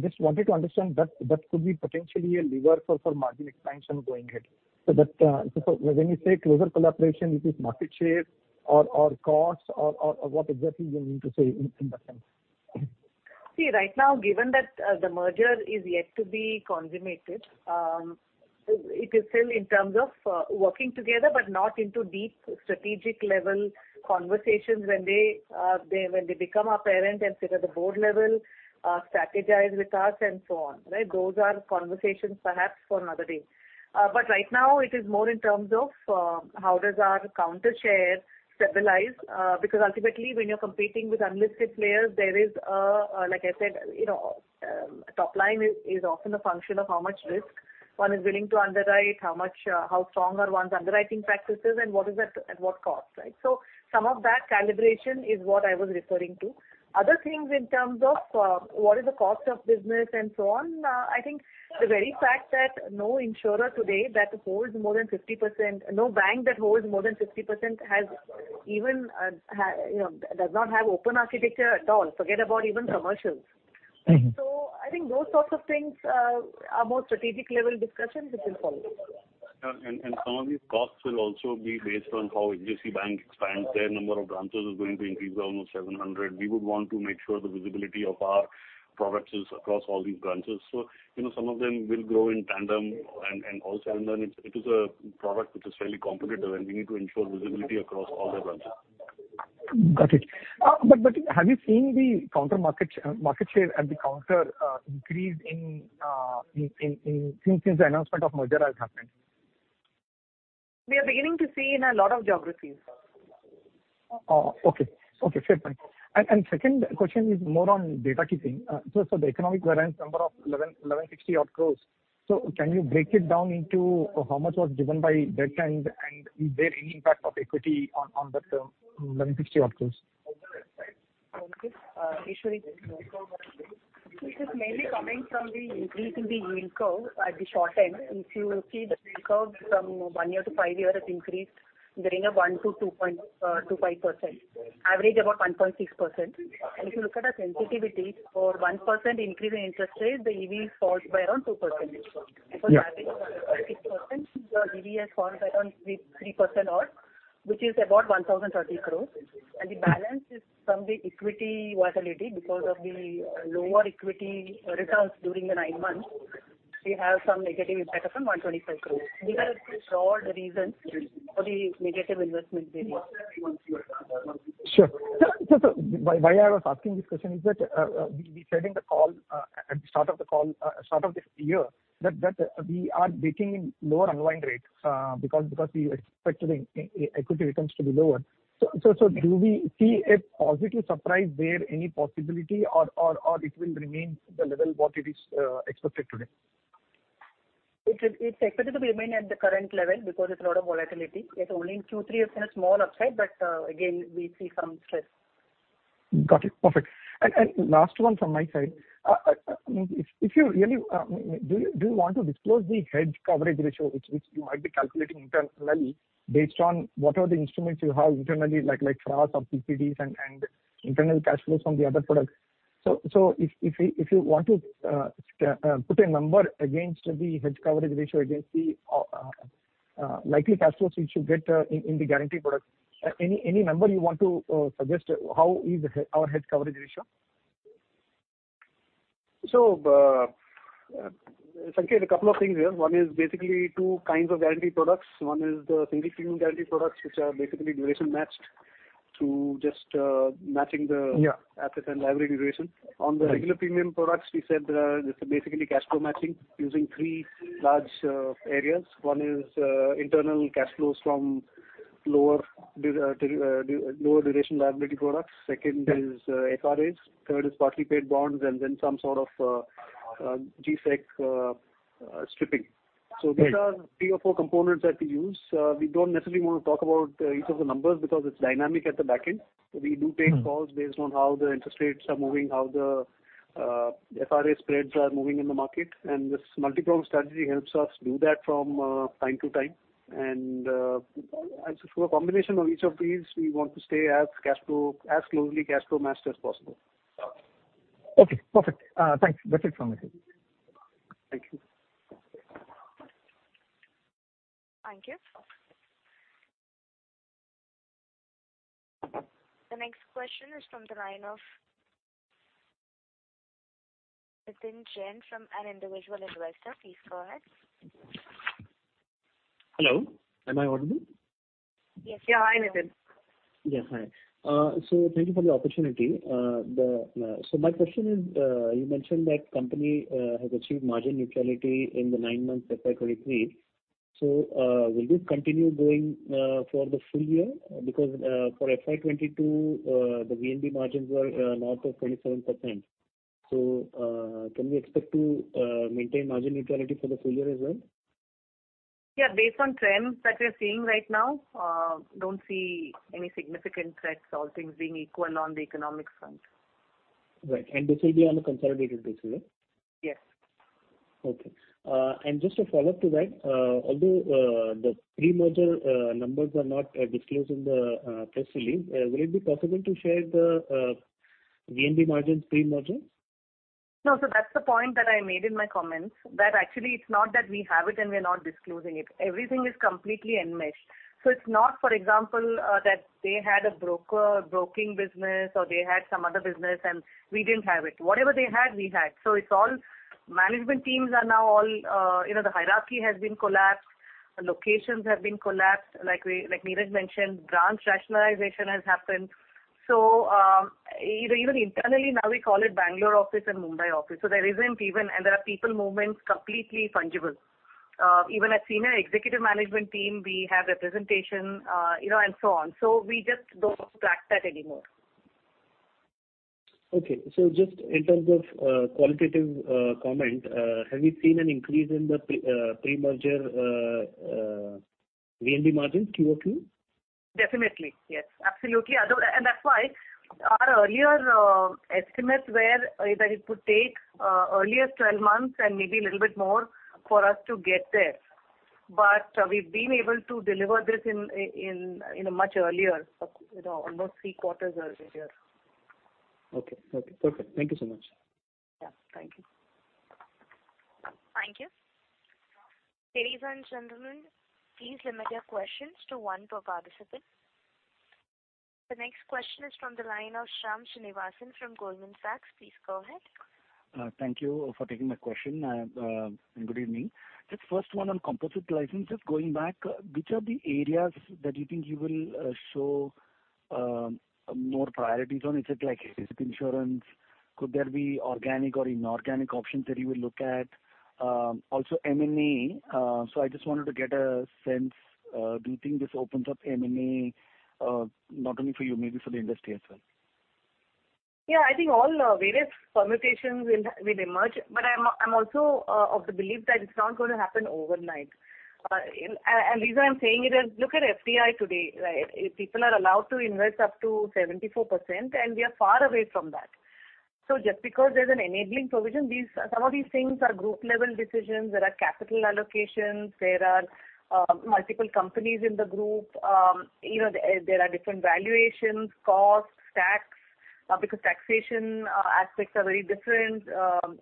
Just wanted to understand that could be potentially a lever for margin expansion going ahead. That, when you say closer collaboration, is this market share or costs or what exactly you mean to say in that sense? See, right now, given that the merger is yet to be consummated, it is still in terms of working together but not into deep strategic level conversations when they become our parent and sit at the board level, strategize with us and so on, right? Those are conversations perhaps for another day. Right now it is more in terms of how does our counter share stabilize? Because ultimately when you're competing with unlisted players, there is like I said, you know, top line is often a function of how much risk one is willing to underwrite, how much how strong are one's underwriting practices and what is it at what cost, right? So some of that calibration is what I was referring to. Other things in terms of, what is the cost of business and so on, I think the very fact that no insurer today that holds more than 50%, no bank that holds more than 50% has even, you know, does not have open architecture at all, forget about even commercials. Right. I think those sorts of things are more strategic level discussions which will follow. Yeah. Some of these costs will also be based on how HDFC Bank expands. Their number of branches is going to increase by almost 700. We would want to make sure the visibility of our products is across all these branches. You know, some of them will grow in tandem and also it is a product which is fairly competitive, and we need to ensure visibility across all the branches. Got it. Have you seen the counter market share at the counter increase in since the announcement of merger has happened? We are beginning to see in a lot of geographies. Oh, okay. Okay. Fair point. Second question is more on data keeping. The economic variance number of 1,160 odd crores. Can you break it down into how much was driven by debt and is there any impact of equity on the term 160 outcomes? Okay. Eshwari This is mainly coming from the increase in the yield curve at the short end. If you see the yield curve from one year to five year has increased in the range of 1%-2.5%. Average about 1.6%. If you look at our sensitivity for 1% increase in interest rate, the EV falls by around 2%. Yeah. Because average of 1.6%, the EV has fallen by around 3% odd, which is about 1,030 crores. The balance is from the equity volatility because of the lower equity returns during the nine months. We have some negative impact of 125 crores. These are two broad reasons for the negative investment belief. Sure. Why I was asking this question is that, we said in the call, at the start of the call, start of this year that we are baking in lower unwind rates, because we expect the equity returns to be lower. Do we see a positive surprise there, any possibility or it will remain the level what it is, expected today? It's expected to remain at the current level because it's a lot of volatility. It's only in Q3 we've seen a small upside, but again, we see some stress. Got it. Perfect. Last one from my side. If you really do you want to disclose the hedge coverage ratio which you might be calculating internally based on what are the instruments you have internally like TRS or TCDs and internal cash flows from the other products? If you want to put a number against the hedge coverage ratio against the likely cash flows you should get in the guarantee products, any number you want to suggest how is our hedge coverage ratio? Sanket a couple of things here. One is basically two kinds of guarantee products. One is the single premium guarantee products which are basically duration matched through just matching. Yeah. Asset and liability duration. On the regular premium products, we said, it's basically cash flow matching using three large areas. One is internal cash flows from lower duration liability products. Second is FRAs. Third is partly paid bonds and then some sort of GSEC stripping. Right. These are three or four components that we use. We don't necessarily want to talk about, each of the numbers because it's dynamic at the back end. We do. Mm-hmm. calls based on how the interest rates are moving, how the FRA spreads are moving in the market. This multi-prong strategy helps us do that from time to time. Through a combination of each of these, we want to stay as cash flow, as closely cash flow matched as possible. Okay. Perfect. Thanks. That's it from my side. Thank you. Thank you. The next question is from the line of Nitin Jain from an Individual Investor. Please go ahead. Hello, am I audible? Yes. Yeah. Hi, Nitin. Yeah, hi. Thank you for the opportunity. My question is, you mentioned that company has achieved margin neutrality in the nine months FY 2023. Will this continue going for the full year? Because for FY 2022, the VNB margins were north of 27%. Can we expect to maintain margin neutrality for the full year as well? Based on trends that we're seeing right now, don't see any significant threats, all things being equal on the economic front. Right. This will be on a consolidated basis, right? Yes. Okay. Just a follow-up to that. Although the pre-merger numbers are not disclosed in the press release, will it be possible to share the VNB margins pre-merger? No. That's the point that I made in my comments that actually it's not that we have it and we are not disclosing it. Everything is completely enmeshed. It's not, for example, that they had a broking business or they had some other business and we didn't have it. Whatever they had, we had. All management teams are now all, you know, the hierarchy has been collapsed, locations have been collapsed. Like we, like Niraj mentioned, branch rationalization has happened. Even internally now we call it Bangalore office and Mumbai office. There isn't even. And there are people movements completely fungible. Even at senior executive management team, we have representation, you know, and so on. We just don't track that anymore. Okay. Just in terms of qualitative comment, have you seen an increase in the pre-merger VNB margins QOQ? Definitely, yes. Absolutely. That's why our earlier estimates were either it would take earliest 12 months and maybe a little bit more for us to get there. We've been able to deliver this in a much earlier, you know, almost three quarters earlier. Okay. Okay. Perfect. Thank you so much. Yeah. Thank you. Thank you. Ladies and gentlemen, please limit your questions to one per participant. The next question is from the line of Shyam Srinivasan from Goldman Sachs. Please go ahead. Thank you for taking my question. Good evening. Just first one on composite licenses. Going back, which are the areas that you think you will show more priorities on? Is it like basic insurance? Could there be organic or inorganic options that you will look at? Also M&A. I just wanted to get a sense, do you think this opens up M&A, not only for you, maybe for the industry as well? Yeah, I think all, various permutations will emerge, but I'm also of the belief that it's not gonna happen overnight. Reason I'm saying it is look at FDI today, right? People are allowed to invest up to 74%, and we are far away from that. Just because there's an enabling provision, some of these things are group level decisions. There are capital allocations. There are multiple companies in the group. You know, there are different valuations, costs, tax, because taxation, aspects are very different.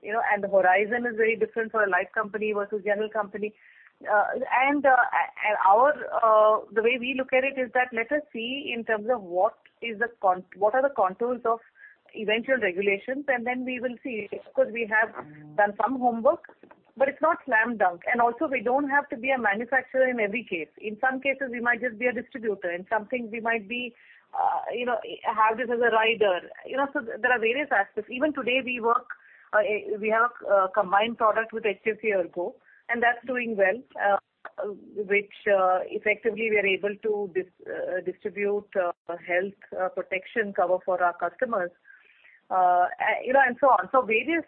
You know, and the horizon is very different for a life company versus general company. The way we look at it is that let us see in terms of what are the contours of eventual regulations, and then we will see. Of course, we have done some homework, but it's not slam dunk. Also we don't have to be a manufacturer in every case. In some cases, we might just be a distributor. In some things we might be, you know, have this as a rider. You know, so there are various aspects. Even today, we work, we have a combined product with HDFC ERGO, and that's doing well, which effectively we are able to distribute health protection cover for our customers. You know, and so on. So various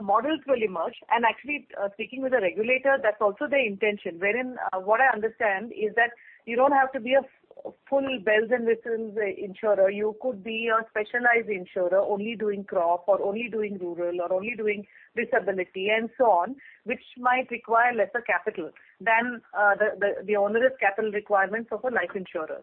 models will emerge. Actually, speaking with the regulator, that's also their intention. Wherein what I understand is that you don't have to be a full bells and whistles insurer. You could be a specialized insurer only doing crop or only doing rural or only doing disability and so on, which might require lesser capital than the onerous capital requirements of a life insurer.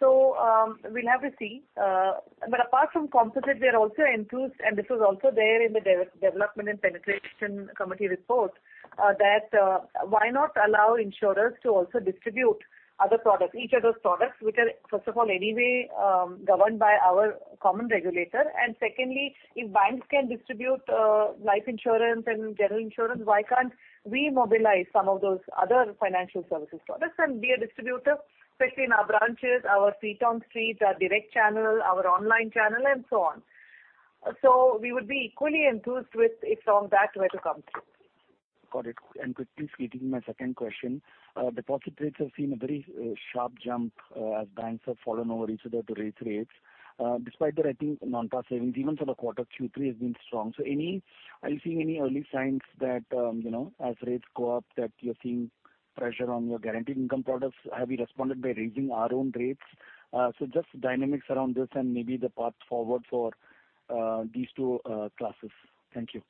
We'll have to see. Apart from composite, we are also enthused, and this is also there in the development and penetration committee report that why not allow insurers to also distribute other products, each other's products, which are, first of all, anyway, governed by our common regulator. Secondly, if banks can distribute, life insurance and general insurance, why can't we mobilize some of those other financial services products and be a distributor, especially in our branches, our feet on street, our direct channel, our online channel, and so on. We would be equally enthused with it from that way to come through. Got it. Quickly fleeting my second question. Deposit rates have seen a very sharp jump as banks have fallen over each other to raise rates. Despite that, I think non-par savings, even for the quarter Q3 has been strong. Are you seeing any early signs that, you know, as rates go up, that you're seeing pressure on your guaranteed income products? Have you responded by raising our own rates? Just dynamics around this and maybe the path forward for these two classes. Thank you.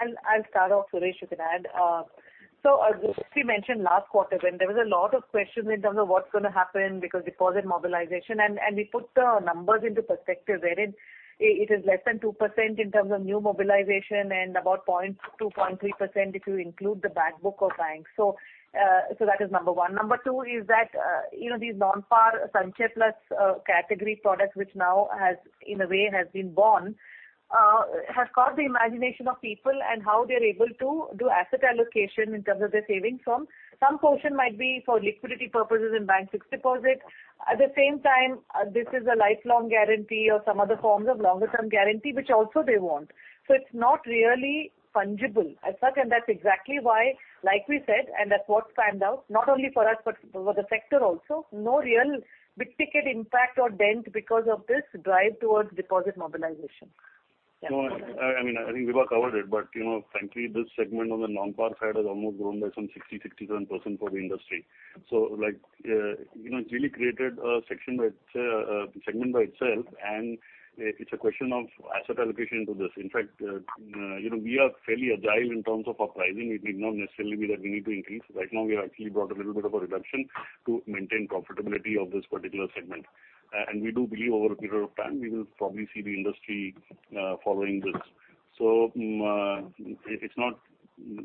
I'll start off, Suresh, you can add. As we mentioned last quarter, when there was a lot of questions in terms of what's gonna happen because deposit mobilization, and we put the numbers into perspective, wherein it is less than 2% in terms of new mobilization and about 0.2%, 0.3% if you include the back book of banks. That is number one. Number two is that these non-par Sanchay Plus category products, which now has in a way been born, has caught the imagination of people and how they're able to do asset allocation in terms of their savings from. Some portion might be for liquidity purposes in bank fixed deposit. At the same time, this is a lifelong guarantee or some other forms of longer term guarantee, which also they want. It's not really fungible as such, and that's exactly why, like we said, and that's what panned out, not only for us, but for the sector also. No real big ticket impact or dent because of this drive towards deposit mobilization. Yeah. No, I mean, I think Vibha covered it, but you know, frankly, this segment on the non-par side has almost grown by some 60, 67% for the industry. you know, it's really created a segment by itself, and it's a question of asset allocation to this. In fact, you know, we are fairly agile in terms of our pricing. It need not necessarily be that we need to increase. Right now, we have actually brought a little bit of a reduction to maintain profitability of this particular segment. We do believe over a period of time, we will probably see the industry following this. it's not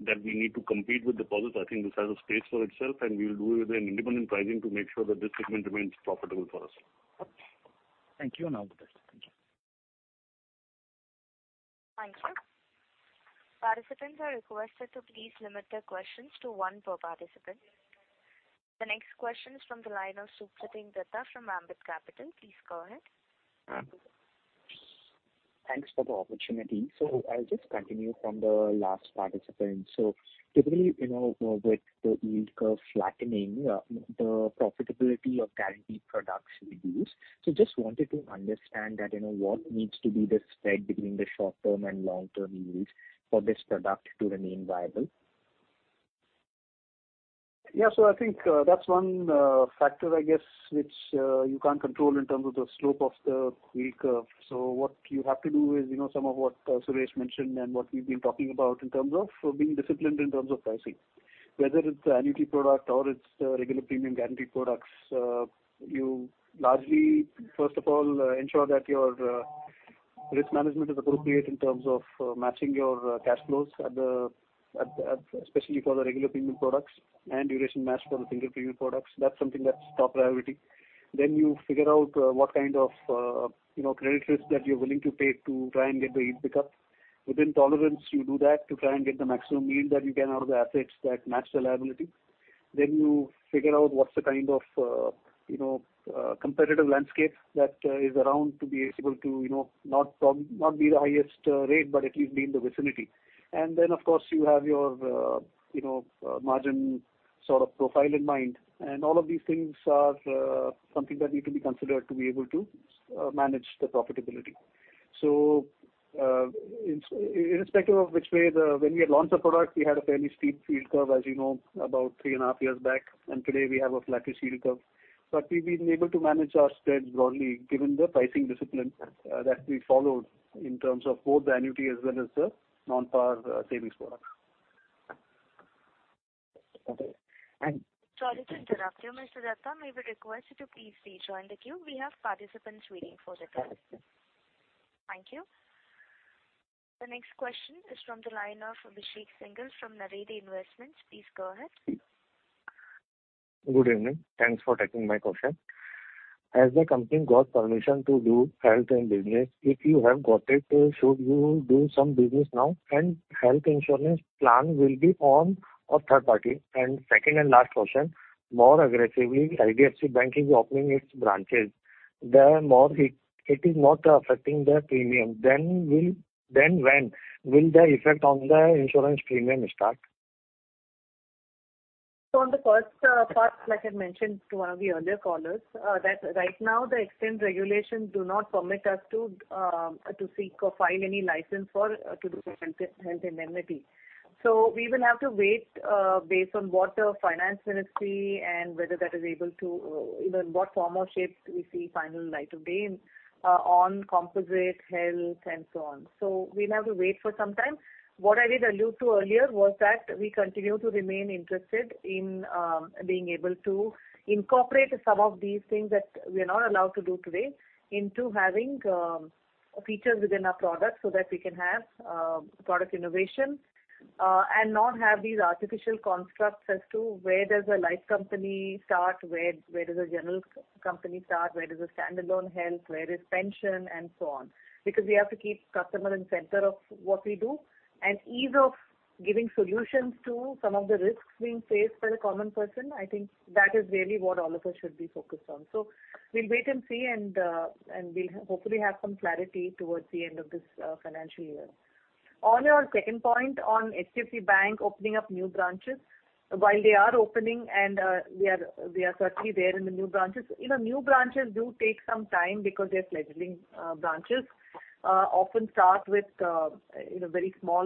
that we need to compete with deposits. I think this has a space for itself, and we will do it with an independent pricing to make sure that this segment remains profitable for us. Thank you. All the best. Thank you. Thank you. Participants are requested to please limit their questions to one per participant. The next question is from the line of Supratim Datta from Ambit Capital. Please go ahead. Thanks for the opportunity. I'll just continue from the last participant. Typically, you know, with the yield curve flattening, the profitability of guaranteed products reduce. Just wanted to understand that, you know, what needs to be the spread between the short-term and long-term yields for this product to remain viable? Yeah. I think that's one factor, I guess, which you can't control in terms of the slope of the yield curve. What you have to do is, you know, some of what Suresh mentioned and what we've been talking about in terms of being disciplined in terms of pricing. Whether it's annuity product or it's regular premium guaranteed products, you largely, first of all, ensure that your risk management is appropriate in terms of matching your cash flows especially for the regular premium products and duration match for the single premium products. That's something that's top priority. You figure out what kind of, you know, credit risk that you're willing to take to try and get the yield pick up. Within tolerance, you do that to try and get the maximum yield that you can out of the assets that match the liability. You figure out what's the kind of, you know, competitive landscape that is around to be able to, you know, not not be the highest rate, but at least be in the vicinity. Of course, you have your, you know, margin sort of profile in mind. All of these things are something that need to be considered to be able to manage the profitability. irrespective of which way when we had launched the product, we had a fairly steep yield curve, as you know, about 3.5 years back, and today we have a flattish yield curve. We've been able to manage our spreads broadly given the pricing discipline that we followed in terms of both the annuity as well as the non-par savings product. Okay. Sorry to interrupt you, Mr. Datta. May we request you to please rejoin the queue. We have participants waiting for the call. Okay. Thank you. The next question is from the line of Abhishek Singhal from Narayani Investments. Please go ahead. Good evening. Thanks for taking my question. Has the company got permission to do health and business? If you have got it, should you do some business now and health insurance plan will be on a third party? Second and last question, more aggressively IDFC FIRST Bank is opening its branches. The more it is not affecting the premium. When will the effect on the insurance premium start? On the first part, like I mentioned to one of the earlier callers, that right now the extant regulation do not permit us to seek or file any license for or to do some health indemnity. We will have to wait, based on what the Ministry of Finance and whether that is able to, you know, in what form or shape do we see final light of day on composite health and so on. We'll have to wait for some time. What I did allude to earlier was that we continue to remain interested in, being able to incorporate some of these things that we are not allowed to do today into having features within our product so that we can have product innovation, and not have these artificial constructs as to where does a life company start, where does a general company start, where does a standalone health, where is pension, and so on. Because we have to keep customer in center of what we do and ease of giving solutions to some of the risks being faced by the common person. I think that is really what all of us should be focused on. So we'll wait and see and we hopefully have some clarity towards the end of this financial year. On your second point on HDFC Bank opening up new branches, while they are opening and we are certainly there in the new branches. You know, new branches do take some time because they're fledgling branches often start with, you know, very small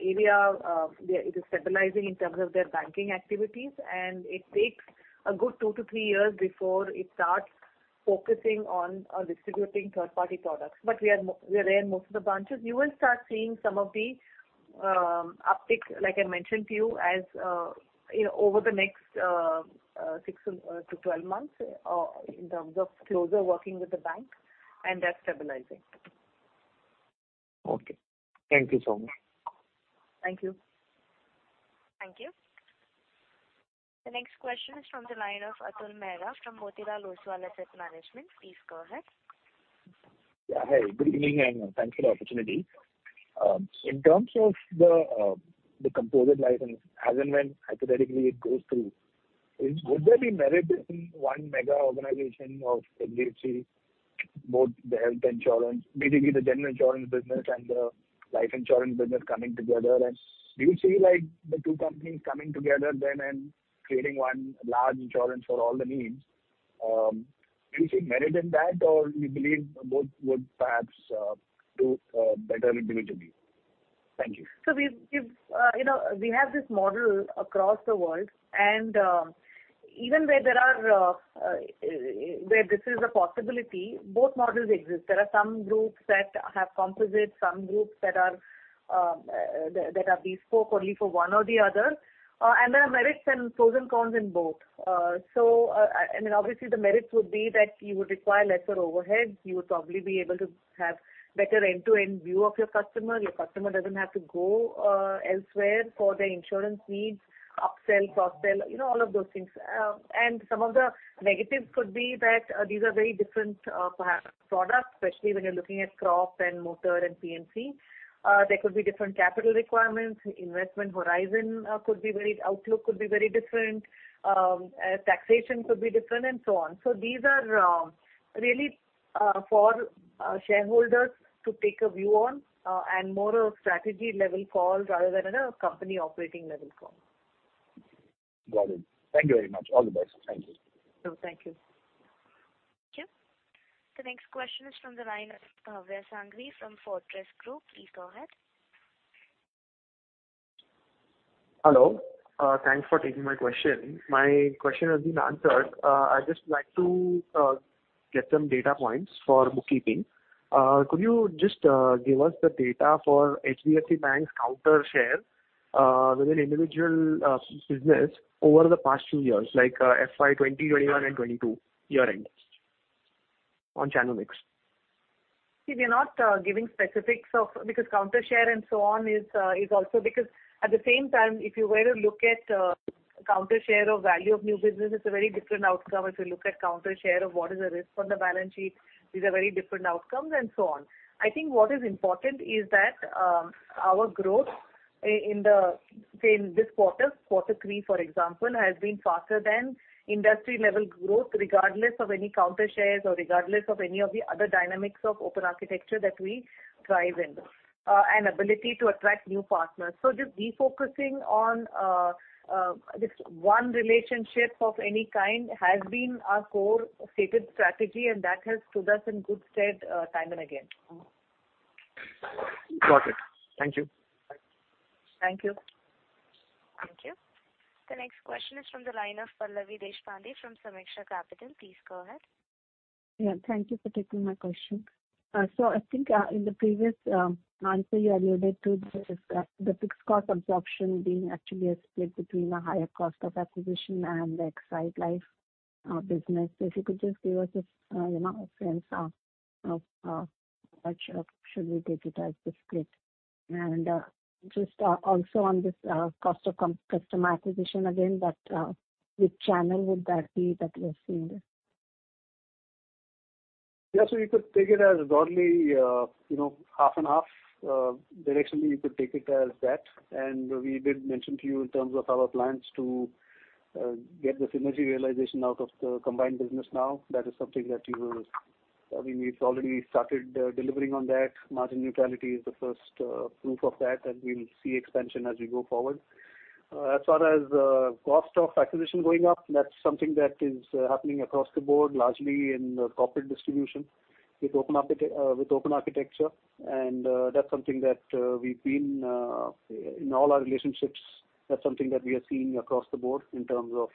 area. It is stabilizing in terms of their banking activities, and it takes a good two-three years before it starts focusing on distributing third-party products. We are there in most of the branches. You will start seeing some of the upticks, like I mentioned to you as, you know, over the next six and to 12 months in terms of closer working with the bank and their stabilizing. Okay. Thank you so much. Thank you. Thank you. The next question is from the line of Atul Mehra from Motilal Oswal Asset Management. Please go ahead. Yeah. Hi, good evening, and thanks for the opportunity. In terms of the composite license, as and when hypothetically it goes through, is would there be merit in one mega organization of HDFC, both the health insurance, B2B, the general insurance business and the life insurance business coming together? Do you see like the two companies coming together then and creating one large insurance for all the needs? Do you see merit in that or you believe both would perhaps do better individually? Thank you. We've, you know, we have this model across the world and even where there are where this is a possibility, both models exist. There are some groups that have composite, some groups that are that are bespoke only for one or the other. There are merits and pros and cons in both. I mean obviously the merits would be that you would require lesser overheads. You would probably be able to have better end-to-end view of your customer. Your customer doesn't have to go elsewhere for their insurance needs, upsell, cross-sell, you know, all of those things. Some of the negatives could be that these are very different perhaps products, especially when you're looking at crop and motor and P&C. There could be different capital requirements, investment horizon, outlook could be very different, taxation could be different and so on. These are, really, for shareholders to take a view on, and more a strategy level call rather than a company operating level call. Got it. Thank you very much. All the best. Thank you. No, thank you. Thank you. The next question is from the line of Bhavya Sanghvi from Fortress Group. Please go ahead. Hello. Thanks for taking my question. My question has been answered. I'd just like to get some data points for bookkeeping. Could you just give us the data for HDFC Bank's counter share within individual business over the past two years, like FY 2021 and 2022 year ends on channel mix? See, we are not giving specifics of because counter share and so on is also because at the same time, if you were to look at counter share or value of new business, it's a very different outcome. If you look at counter share of what is the risk on the balance sheet, these are very different outcomes and so on. I think what is important is that our growth in the, say, in this quarter three, for example, has been faster than industry level growth, regardless of any counter shares or regardless of any of the other dynamics of open architecture that we drive in and ability to attract new partners. Just refocusing on this one relationship of any kind has been our core stated strategy, and that has stood us in good stead time and again. Got it. Thank you. Thank you. Thank you. The next question is from the line of Pallavi Deshpande from Sameeksha Capital. Please go ahead. Yeah. Thank you for taking my question. So I think, in the previous answer you alluded to this, the fixed cost absorption being actually a split between a higher cost of acquisition and the Exide Life business. If you could just give us a, you know, a sense of how much should we take it as the split. Just also on this cost of customer acquisition again, that which channel would that be that you're seeing this? Yeah. You could take it as broadly, you know, half and half. Directionally you could take it as that. We did mention to you in terms of our plans to get the synergy realization out of the combined business now. That is something that I mean, it's already started delivering on that. Margin neutrality is the first proof of that. We'll see expansion as we go forward. As far as cost of acquisition going up, that's something that is happening across the board, largely in the corporate distribution with open architecture. That's something that we've been in all our relationships, that's something that we are seeing across the board in terms of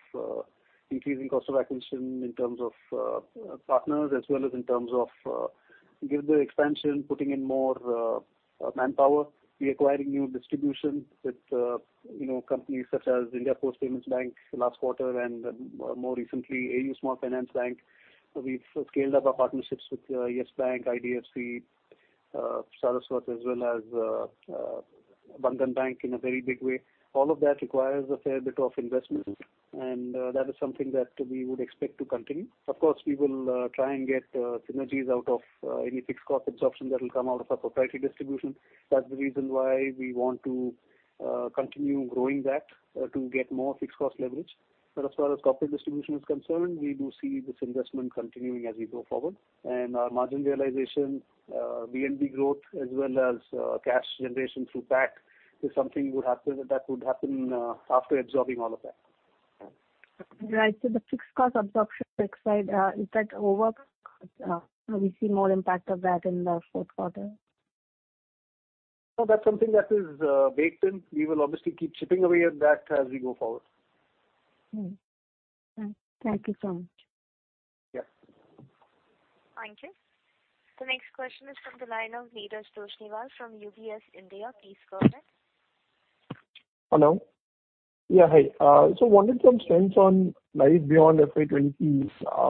increasing cost of acquisition, in terms of partners as well as in terms of give the expansion, putting in more manpower. We acquiring new distribution with, you know, companies such as India Post Payments Bank last quarter and more recently AU Small Finance Bank. We've scaled up our partnerships with Yes Bank, IDFC, Saraswat, as well as Bandhan Bank in a very big way. All of that requires a fair bit of investment and that is something that we would expect to continue. Of course, we will try and get synergies out of any fixed cost absorption that will come out of our proprietary distribution. That's the reason why we want to continue growing that to get more fixed cost leverage. As far as corporate distribution is concerned, we do see this investment continuing as we go forward. Our margin realization, VNB growth as well as cash generation through PAC is something that would happen after absorbing all of that. The fixed cost absorption side, is that over, or we see more impact of that in the fourth quarter? No. That's something that is baked in. We will obviously keep chipping away at that as we go forward. Mm-hmm. Thank you so much. Yeah. Thank you. The next question is from the line of Neeraj Toshniwal from UBS India. Please go ahead. Hello. Hi. Wanted some sense on life beyond FY 2020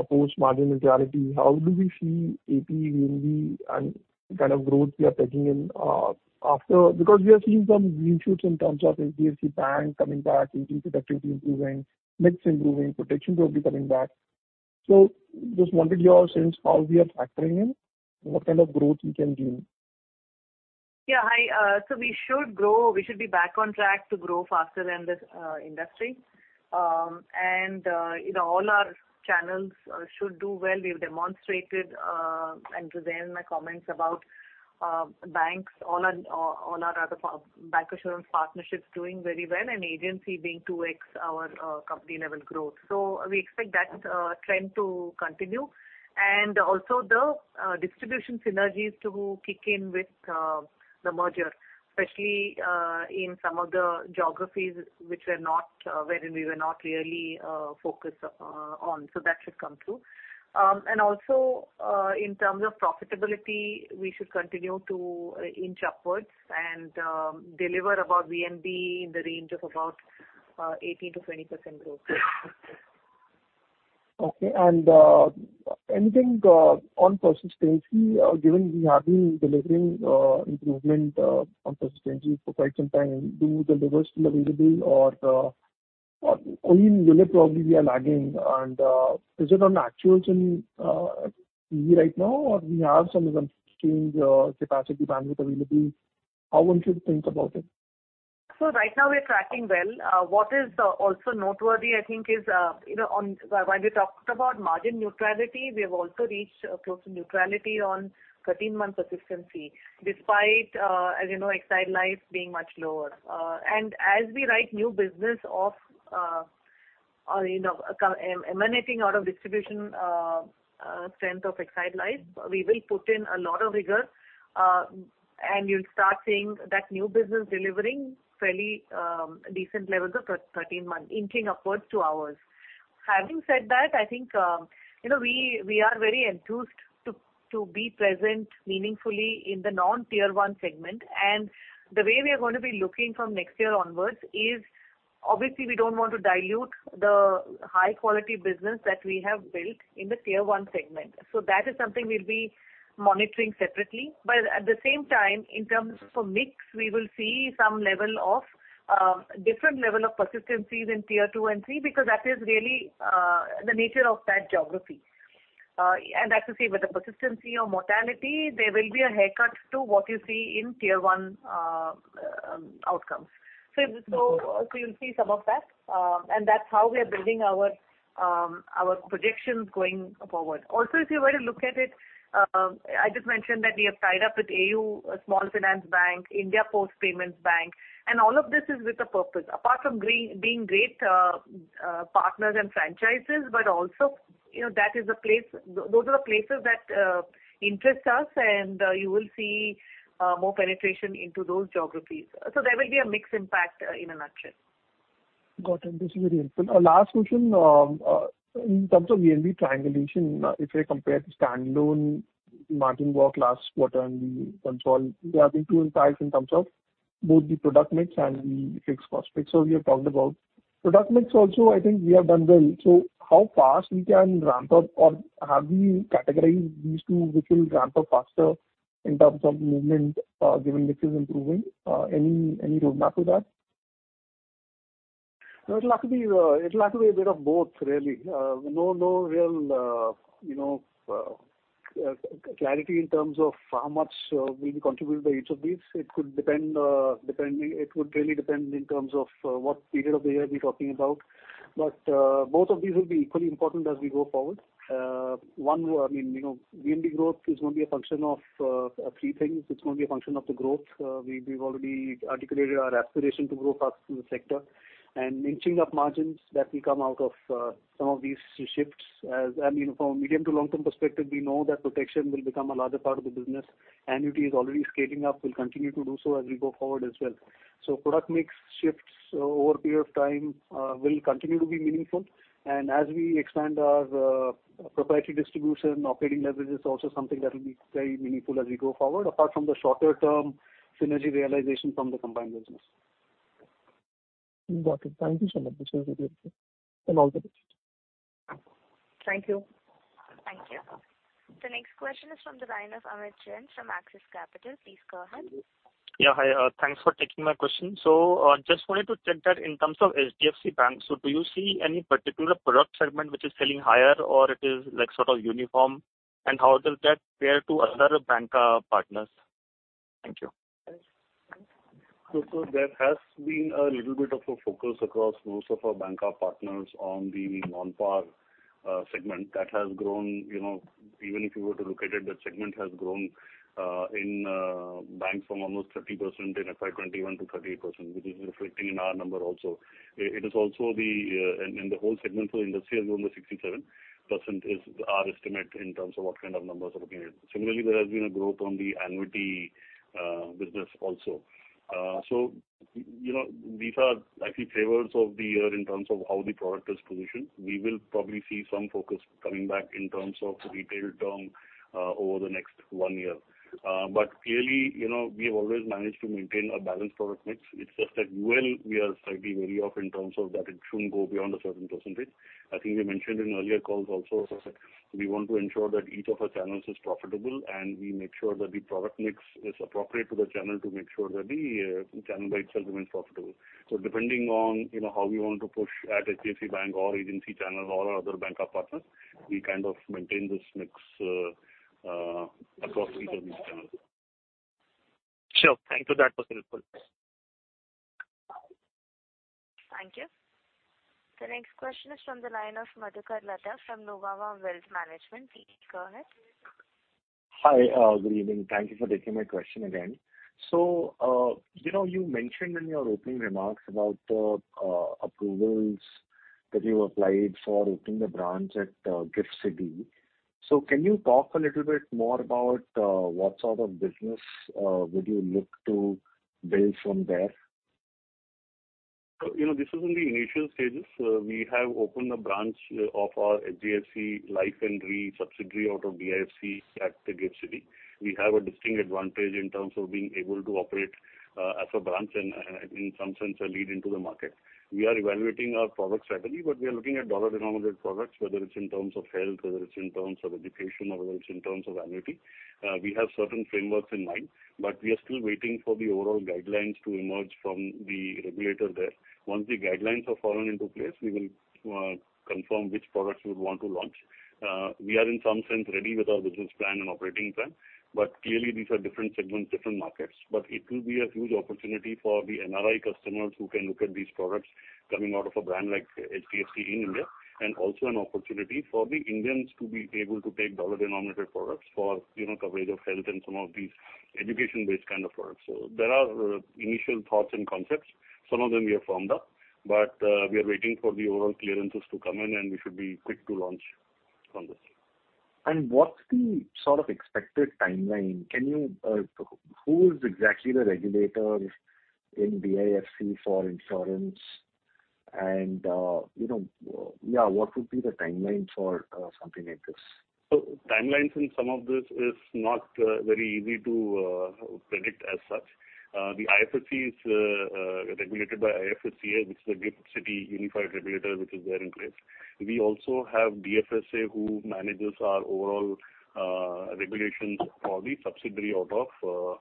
post margin neutrality. How do we see APE, VNB and kind of growth we are taking in after? We are seeing some green shoots in terms of HDFC Bank coming back, agency productivity improving, mix improving, protection probably coming back. Just wanted your sense how we are factoring in what kind of growth we can give. Hi. We should grow. We should be back on track to grow faster than this industry. You know, all our channels should do well. We've demonstrated, to then my comments about banks, all our other bank insurance partnerships doing very well and agency being 2x our company level growth. We expect that trend to continue and also the distribution synergies to kick in with the merger, especially in some of the geographies which were not wherein we were not really focused on. That should come through. Also, in terms of profitability, we should continue to inch upwards and deliver about VNB in the range of about 18%-20% growth. Okay. Anything on persistency, given we have been delivering improvement on persistency for quite some time, do you deliver still available or any area probably we are lagging and is it on actuals in EV right now or we have some existing capacity bandwidth available? How would you think about it? Right now we're tracking well. What is also noteworthy I think is, you know, when we talked about margin neutrality, we have also reached close to neutrality on 13-month persistency despite, as you know, Exide Life being much lower. As we write new business of, you know, emanating out of distribution strength of Exide Life, we will put in a lot of rigor, and you'll start seeing that new business delivering fairly decent levels of 13-month inching upwards to ours. Having said that, I think, you know, we are very enthused to be present meaningfully in the non-Tier 1 segment. The way we are gonna be looking from next year onwards is obviously we don't want to dilute the high quality business that we have built in the Tier 1 segment. That is something we'll be monitoring separately. At the same time in terms of mix, we will see some level of different level of persistencies in tier two and three because that is really the nature of that geography. As you see with the persistency of mortality, there will be a haircut to what you see in tier 1 outcomes. You'll see some of that, and that's how we are building our projections going forward. If you were to look at it, I just mentioned that we have tied up with AU Small Finance Bank, India Post Payments Bank, and all of this is with a purpose. Apart from being great partners and franchises, but also, you know, those are the places that interest us and you will see more penetration into those geographies. There will be a mixed impact in a nutshell. Got it. This is very helpful. Last question, in terms of VNB triangulation, if we compare the standalone margin growth last quarter and the control, there have been two insights in terms of both the product mix and the fixed cost mix. We have talked about product mix also, I think we have done well. How fast we can ramp up or have you categorized these two, which will ramp up faster in terms of movement, given mix is improving? Any roadmap to that? It'll have to be, it'll have to be a bit of both really. No, no real, you know, clarity in terms of how much will be contributed by each of these. It could depend. It would really depend in terms of what period of the year we're talking about. Both of these will be equally important as we go forward. One, I mean, you know, VNB growth is going to be a function of three things. It's going to be a function of the growth. We've already articulated our aspiration to grow faster than the sector. Inching up margins that will come out of some of these shifts. As I mean, from a medium-to-long-term perspective, we know that protection will become a larger part of the business. Annuity is already scaling up, will continue to do so as we go forward as well. Product mix shifts over a period of time will continue to be meaningful. As we expand our proprietary distribution, operating leverage is also something that will be very meaningful as we go forward, apart from the shorter-term synergy realization from the combined business. Got it. Thank you so much. This is very helpful. All the best. Thank you. Thank you. The next question is from the line of Amit Jain from Axis Capital. Please go ahead. Yeah. Hi. Thanks for taking my question. Just wanted to check that in terms of HDFC Bank, so do you see any particular product segment which is selling higher or it is like sort of uniform? How does that compare to other banker partners? Thank you. There has been a little bit of a focus across most of our banker partners on the non-par segment that has grown, you know, even if you were to look at it, that segment has grown in banks from almost 30% in FY 2021 to 38%, which is reflecting in our number also. It is also the in the whole segment for industry has grown to 67% is our estimate in terms of what kind of numbers we're looking at. There has been a growth on the annuity business also. You know, these are actually favors of the year in terms of how the product is positioned. We will probably see some focus coming back in terms of retail term over the next one year. Clearly, you know, we have always managed to maintain a balanced product mix. It's just that when we are slightly wary of in terms of that it shouldn't go beyond a certain percentage. I think we mentioned in earlier calls also, we want to ensure that each of our channels is profitable and we make sure that the product mix is appropriate to the channel to make sure that the channel by itself remains profitable. Depending on, you know, how we want to push at HDFC Bank or agency channel or other banker partners, we kind of maintain this mix across each of these channels. Sure. Thank you. That was helpful. Thank you. The next question is from the line of Madhukar Ladha from Nuvama Wealth Management. Please go ahead. Hi. Good evening. Thank you for taking my question again. You know, you mentioned in your opening remarks about approvals that you applied for opening the branch at GIFT City. Can you talk a little bit more about what sort of business would you look to build from there? You know, this is in the initial stages. We have opened a branch of our HDFC Life and Re subsidiary out of IFSC at GIFT City. We have a distinct advantage in terms of being able to operate as a branch and in some sense a lead into the market. We are evaluating our product strategy. We are looking at dollar-denominated products, whether it's in terms of health, whether it's in terms of education or whether it's in terms of annuity. We have certain frameworks in mind. We are still waiting for the overall guidelines to emerge from the regulator there. Once the guidelines have fallen into place, we will confirm which products we would want to launch. We are in some sense ready with our business plan and operating plan. Clearly these are different segments, different markets. It will be a huge opportunity for the NRI customers who can look at these products coming out of a brand like HDFC in India, and also an opportunity for the Indians to be able to take dollar-denominated products for, you know, coverage of health and some of these education-based kind of products. There are initial thoughts and concepts. Some of them we have firmed up, but we are waiting for the overall clearances to come in and we should be quick to launch on this. What's the sort of expected timeline? Can you, who is exactly the regulator in IFSC for insurance and, you know, what would be the timeline for something like this? Timelines in some of this is not very easy to predict as such. The IFSC is regulated by IFSCA, which is the GIFT City unified regulator, which is there in place. We also have DFSA who manages our overall regulations for the subsidiary out of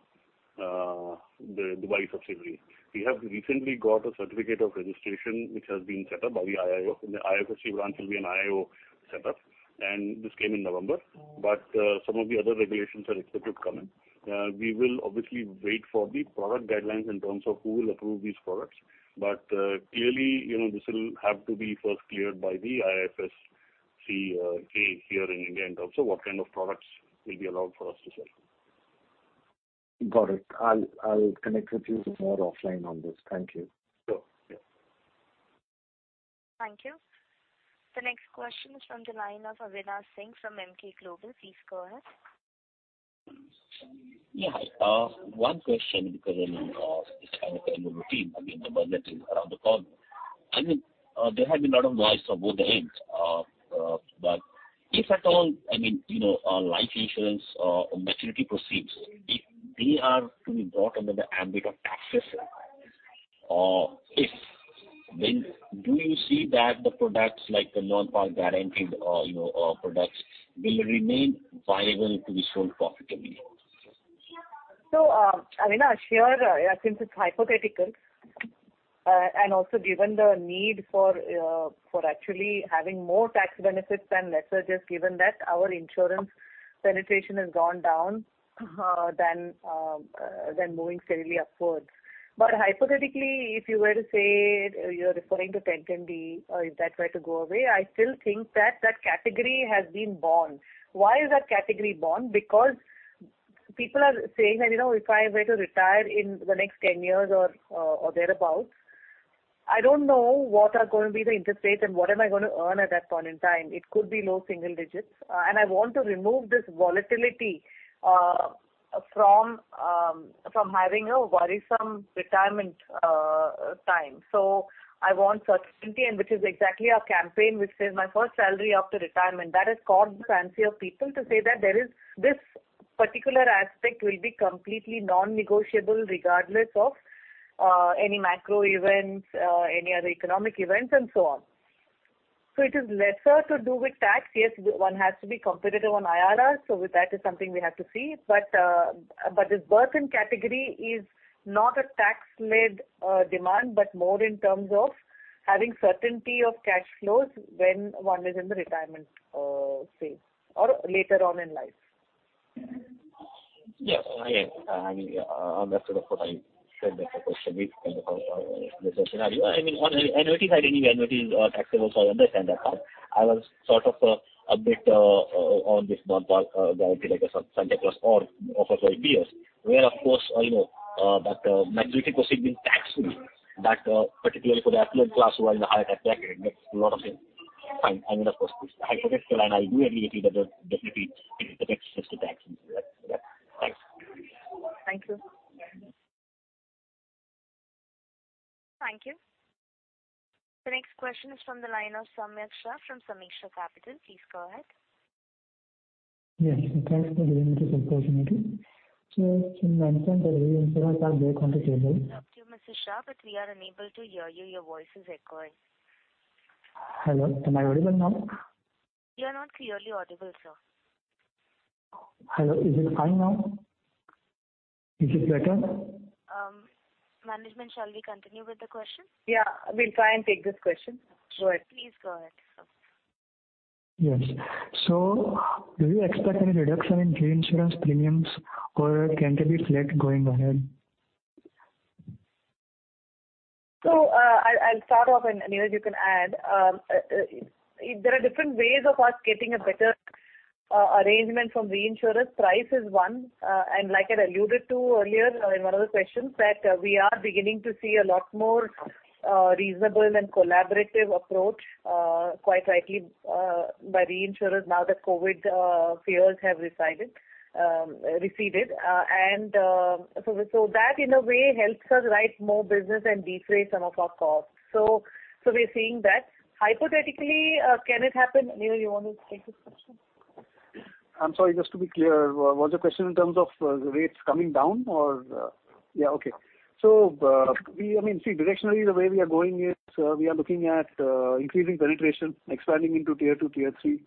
the Dubai subsidiary. We have recently got a certificate of registration which has been set up by the IFSCA. The IFSCA branch will be an IIO setup, and this came in November. Some of the other regulations are expected to come in. We will obviously wait for the product guidelines in terms of who will approve these products. Clearly, you know, this will have to be first cleared by the IFSCA here in India, in terms of what kind of products will be allowed for us to sell. Got it. I'll connect with you more offline on this. Thank you. Sure. Yeah. Thank you. The next question is from the line of Avinash Singh from Emkay Global. Please go ahead. Yeah. Hi. One question because of this kind of a routine, I mean, the budget is around the corner. I mean, there have been a lot of noise on both the ends. If at all, I mean, you know, life insurance or maturity proceeds, if they are to be brought under the ambit of tax system, or if then do you see that the products like the non-par guaranteed or, you know, products will remain viable to be sold profitably? Avinash, here, since it's hypothetical, and also given the need for actually having more tax benefits than lesser, just given that our insurance penetration has gone down, than moving steadily upwards. Hypothetically, if you were to say you're referring to 10(10D), or if that were to go away, I still think that that category has been born. Why is that category born? People are saying that, you know, if I were to retire in the next 10 years or thereabout, I don't know what are going to be the interest rates and what am I gonna earn at that point in time. It could be low single digits. I want to remove this volatility from having a worrisome retirement time. I want certainty and which is exactly our campaign, which says my first salary after retirement. That has caught the fancy of people to say that there is this particular aspect will be completely non-negotiable regardless of any macro events, any other economic events and so on. It is lesser to do with tax. Yes, one has to be competitive on IRR. With that is something we have to see. But this birth in category is not a tax-led demand, but more in terms of having certainty of cash flows when one is in the retirement phase or later on in life. Yes. I understand what I said. That's a question. I mean, on the annuity side, anyway, annuities are taxable, so I understand that part. I was sort of a bit on this non-par guarantee like a Sanchay Plus or of a Four Ps where of course you know, that maturity proceeding tax-free that particularly for the affluent class who are in the higher tax bracket makes a lot of sense. Fine. I mean, of course it's hypothetical and I do agree with you that definitely it affects just the taxes. Yeah. Thanks. Thank you. Thank you. The next question is from the line of Samyak Shah from Sameeksha Capital. Please go ahead. Yes, thanks for giving this opportunity. You mentioned that the insurance are very comfortable- Talk to you, Mr. Shah, but we are unable to hear you. Your voice is echoing. Hello. Am I audible now? You're not clearly audible, sir. Hello. Is it fine now? Is it better? Management, shall we continue with the question? Yeah. We'll try and take this question. Go ahead. Please go ahead, sir. Yes. Do you expect any reduction in reinsurance premiums or can they be flat going ahead? I'll start off and Neil you can add. There are different ways of us getting a better arrangement from reinsurance. Price is one. Like I alluded to earlier in one of the questions that we are beginning to see a lot more reasonable and collaborative approach, quite rightly, by reinsurers now that COVID fears have receded. So that in a way helps us write more business and defray some of our costs. We're seeing that. Hypothetically, can it happen? Niraj, you want to take this question? I'm sorry. Just to be clear, was the question in terms of rates coming down or... Yeah. Okay. I mean, see directionally the way we are going is we are looking at increasing penetration, expanding into tier two, tier three,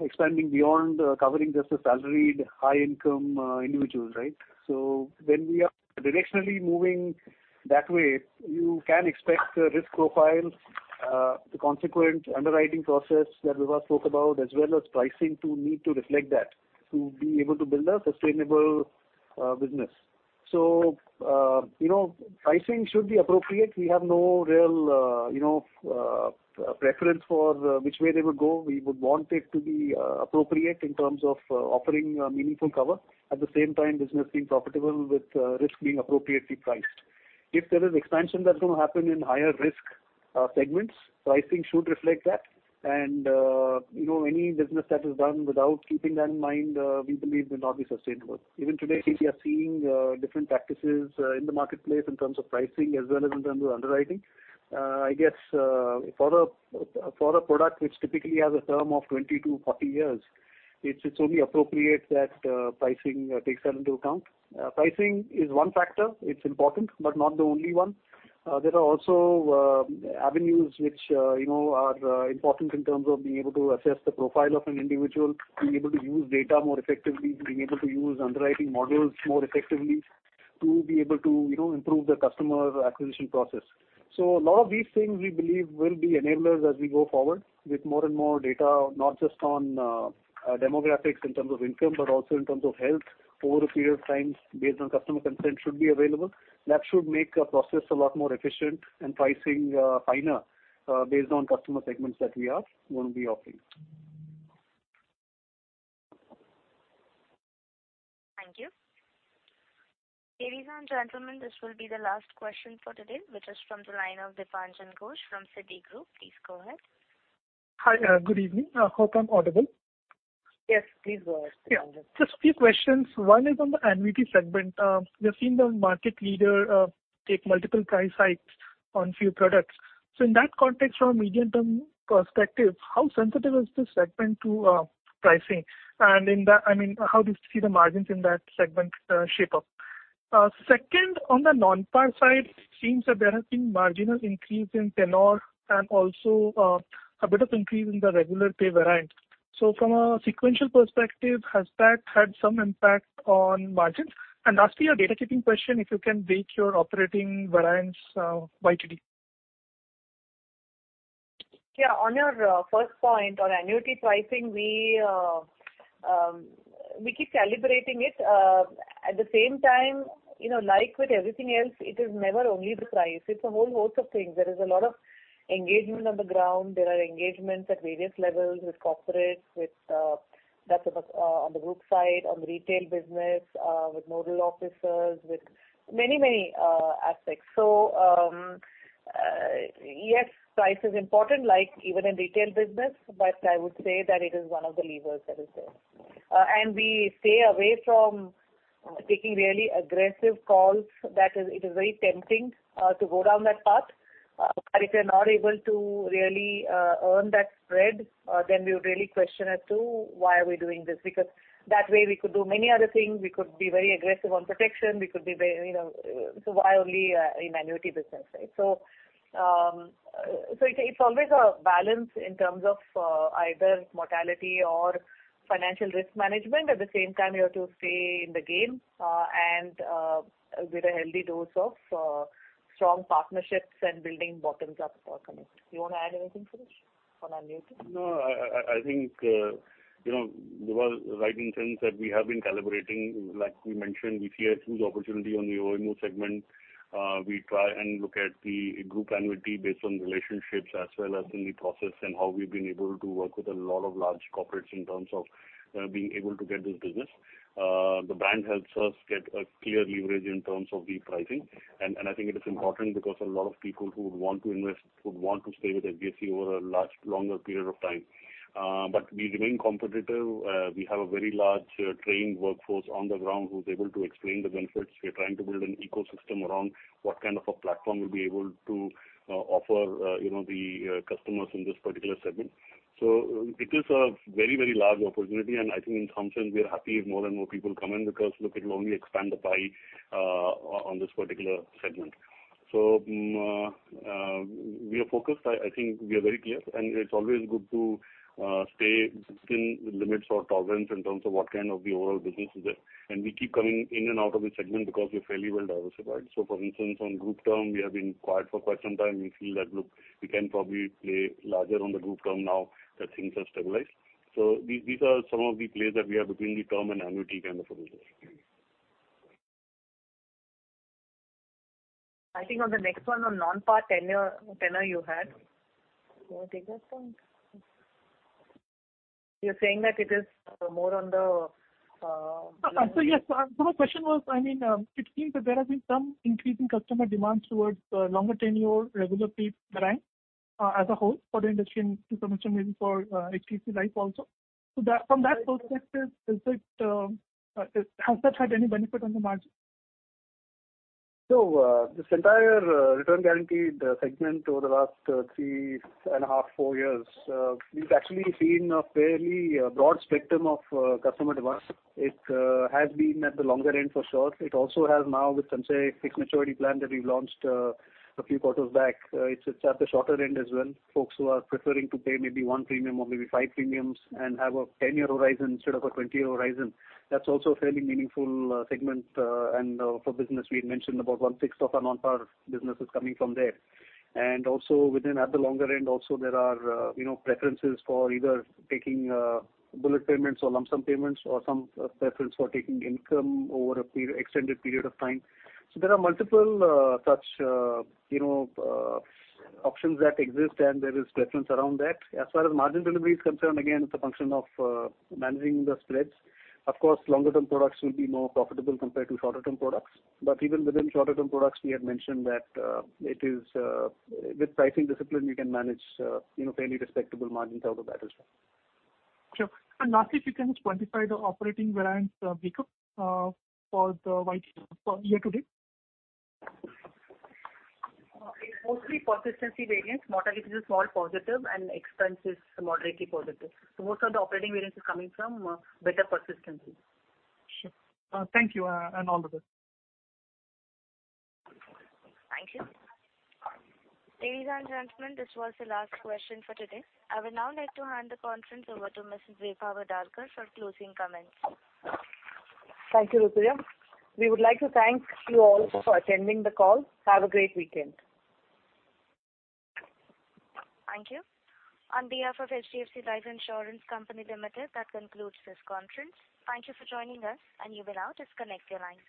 expanding beyond covering just the salaried high income individuals, right? When we are directionally moving that way you can expect the risk profile, the consequent underwriting process that Vibha spoke about as well as pricing to need to reflect that to be able to build a sustainable business. You know, pricing should be appropriate. We have no real, you know, preference for which way they would go. We would want it to be appropriate in terms of offering meaningful cover. At the same time business being profitable with risk being appropriately priced. If there is expansion that's going to happen in higher risk segments, pricing should reflect that. You know, any business that is done without keeping that in mind, we believe will not be sustainable. Even today we are seeing different practices in the marketplace in terms of pricing as well as in terms of underwriting. I guess, for a product which typically has a term of 20-40 years, it's only appropriate that pricing takes that into account. Pricing is one factor. It's important, but not the only one. There are also avenues which, you know. Are important in terms of being able to assess the profile of an individual, being able to use data more effectively, being able to use underwriting models more effectively to be able to, you know, improve the customer acquisition process. A lot of these things we believe will be enablers as we go forward with more and more data, not just on demographics in terms of income, but also in terms of health over a period of time based on customer consent should be available. That should make a process a lot more efficient and pricing finer based on customer segments that we are gonna be offering. Thank you. Ladies and gentlemen, this will be the last question for today, which is from the line of Dipanjan Ghosh from Citigroup. Please go ahead. Hi. good evening. hope I'm audible. Yes, please go ahead. Yeah. Just a few questions. One is on the annuity segment. We've seen the market leader take multiple price hikes on few products. In that context, from a medium-term perspective, how sensitive is this segment to pricing? I mean, how do you see the margins in that segment shape up? Second, on the nonpar side, it seems that there has been marginal increase in tenure and also a bit of increase in the regular pay variance. From a sequential perspective, has that had some impact on margins? Lastly, a data keeping question, if you can break your operating variance YTD. On your first point on annuity pricing, we keep calibrating it. At the same time, you know, like with everything else, it is never only the price. It's a whole host of things. There is a lot of engagement on the ground. There are engagements at various levels with corporates, with that's about on the group side, on the retail business, with nodal officers, with many aspects. Yes, price is important, like even in retail business, but I would say that it is one of the levers that is there. We stay away from taking really aggressive calls. That is, it is very tempting to go down that path. If you're not able to really earn that spread, then we really question as to why are we doing this, because that way we could do many other things. We could be very aggressive on protection. We could be very, you know. Why only in annuity business, right? It's always a balance in terms of either mortality or financial risk management. At the same time, you have to stay in the game, and with a healthy dose of strong partnerships and building bottoms-up economics. You wanna add anything, Suresh, on annuity? No, I think, you know, Dipanjan, right in terms that we have been calibrating, like we mentioned, we see a huge opportunity on the OMO segment. We try and look at the group annuity based on relationships as well as in the process and how we've been able to work with a lot of large corporates in terms of being able to get this business. The brand helps us get a clear leverage in terms of the pricing. I think it is important because a lot of people who would want to invest would want to stay with HDFC over a large, longer period of time. We remain competitive. We have a very large trained workforce on the ground who's able to explain the benefits. We are trying to build an ecosystem around what kind of a platform we'll be able to offer, you know, the customers in this particular segment. It is a very, very large opportunity, and I think in some sense, we are happy if more and more people come in because, look, it'll only expand the pie on this particular segment. We are focused. I think we are very clear, and it's always good to stay within the limits or tolerance in terms of what kind of the overall business is there. We keep coming in and out of this segment because we're fairly well diversified. For instance, on group term, we have been quiet for quite some time. We feel that, look, we can probably play larger on the group term now that things have stabilized. These are some of the plays that we have between the term and annuity kind of a business. I think on the next one, on nonpar tenure you had. You wanna take that one? You're saying that it is more on the... Yes. My question was, I mean, it seems that there has been some increase in customer demand towards longer tenure regular pay variant as a whole for the industry and to some extent maybe for HDFC Life also. From that perspective, is it, has that had any benefit on the margin? This entire return guaranteed segment over the last 3.5, four years, we've actually seen a fairly broad spectrum of customer demand. It has been at the longer end for sure. It also has now with some, say, fixed maturity plan that we've launched a few quarters back. It's at the shorter end as well. Folks who are preferring to pay maybe one premium or maybe five premiums and have a 10-year horizon instead of a 20-year horizon. That's also a fairly meaningful segment, and for business, we had mentioned about 1/6 of our nonpar business is coming from there. Also within at the longer end also there are, you know, preferences for either taking bullet payments or lump sum payments or some preference for taking income over a extended period of time. There are multiple such, you know, options that exist, and there is preference around that. As far as margin delivery is concerned, again, it's a function of managing the spreads. Of course, longer-term products will be more profitable compared to shorter-term products. Even within shorter-term products, we had mentioned that it is with pricing discipline, we can manage, you know, fairly respectable margins out of that as well. Sure. Lastly, if you can quantify the operating variance breakup, year to date. It's mostly persistency variance. Mortality is a small positive and expense is moderately positive. Most of the operating variance is coming from better persistency. Sure. Thank you, and all the best. Thank you. Ladies and gentlemen, this was the last question for today. I would now like to hand the conference over to Mrs. Vibha Padalkar for closing comments. Thank you, Rutuja. We would like to thank you all for attending the call. Have a great weekend. Thank you. On behalf of HDFC Life Insurance Company Limited, that concludes this conference. Thank you for joining us, and you may now disconnect your lines.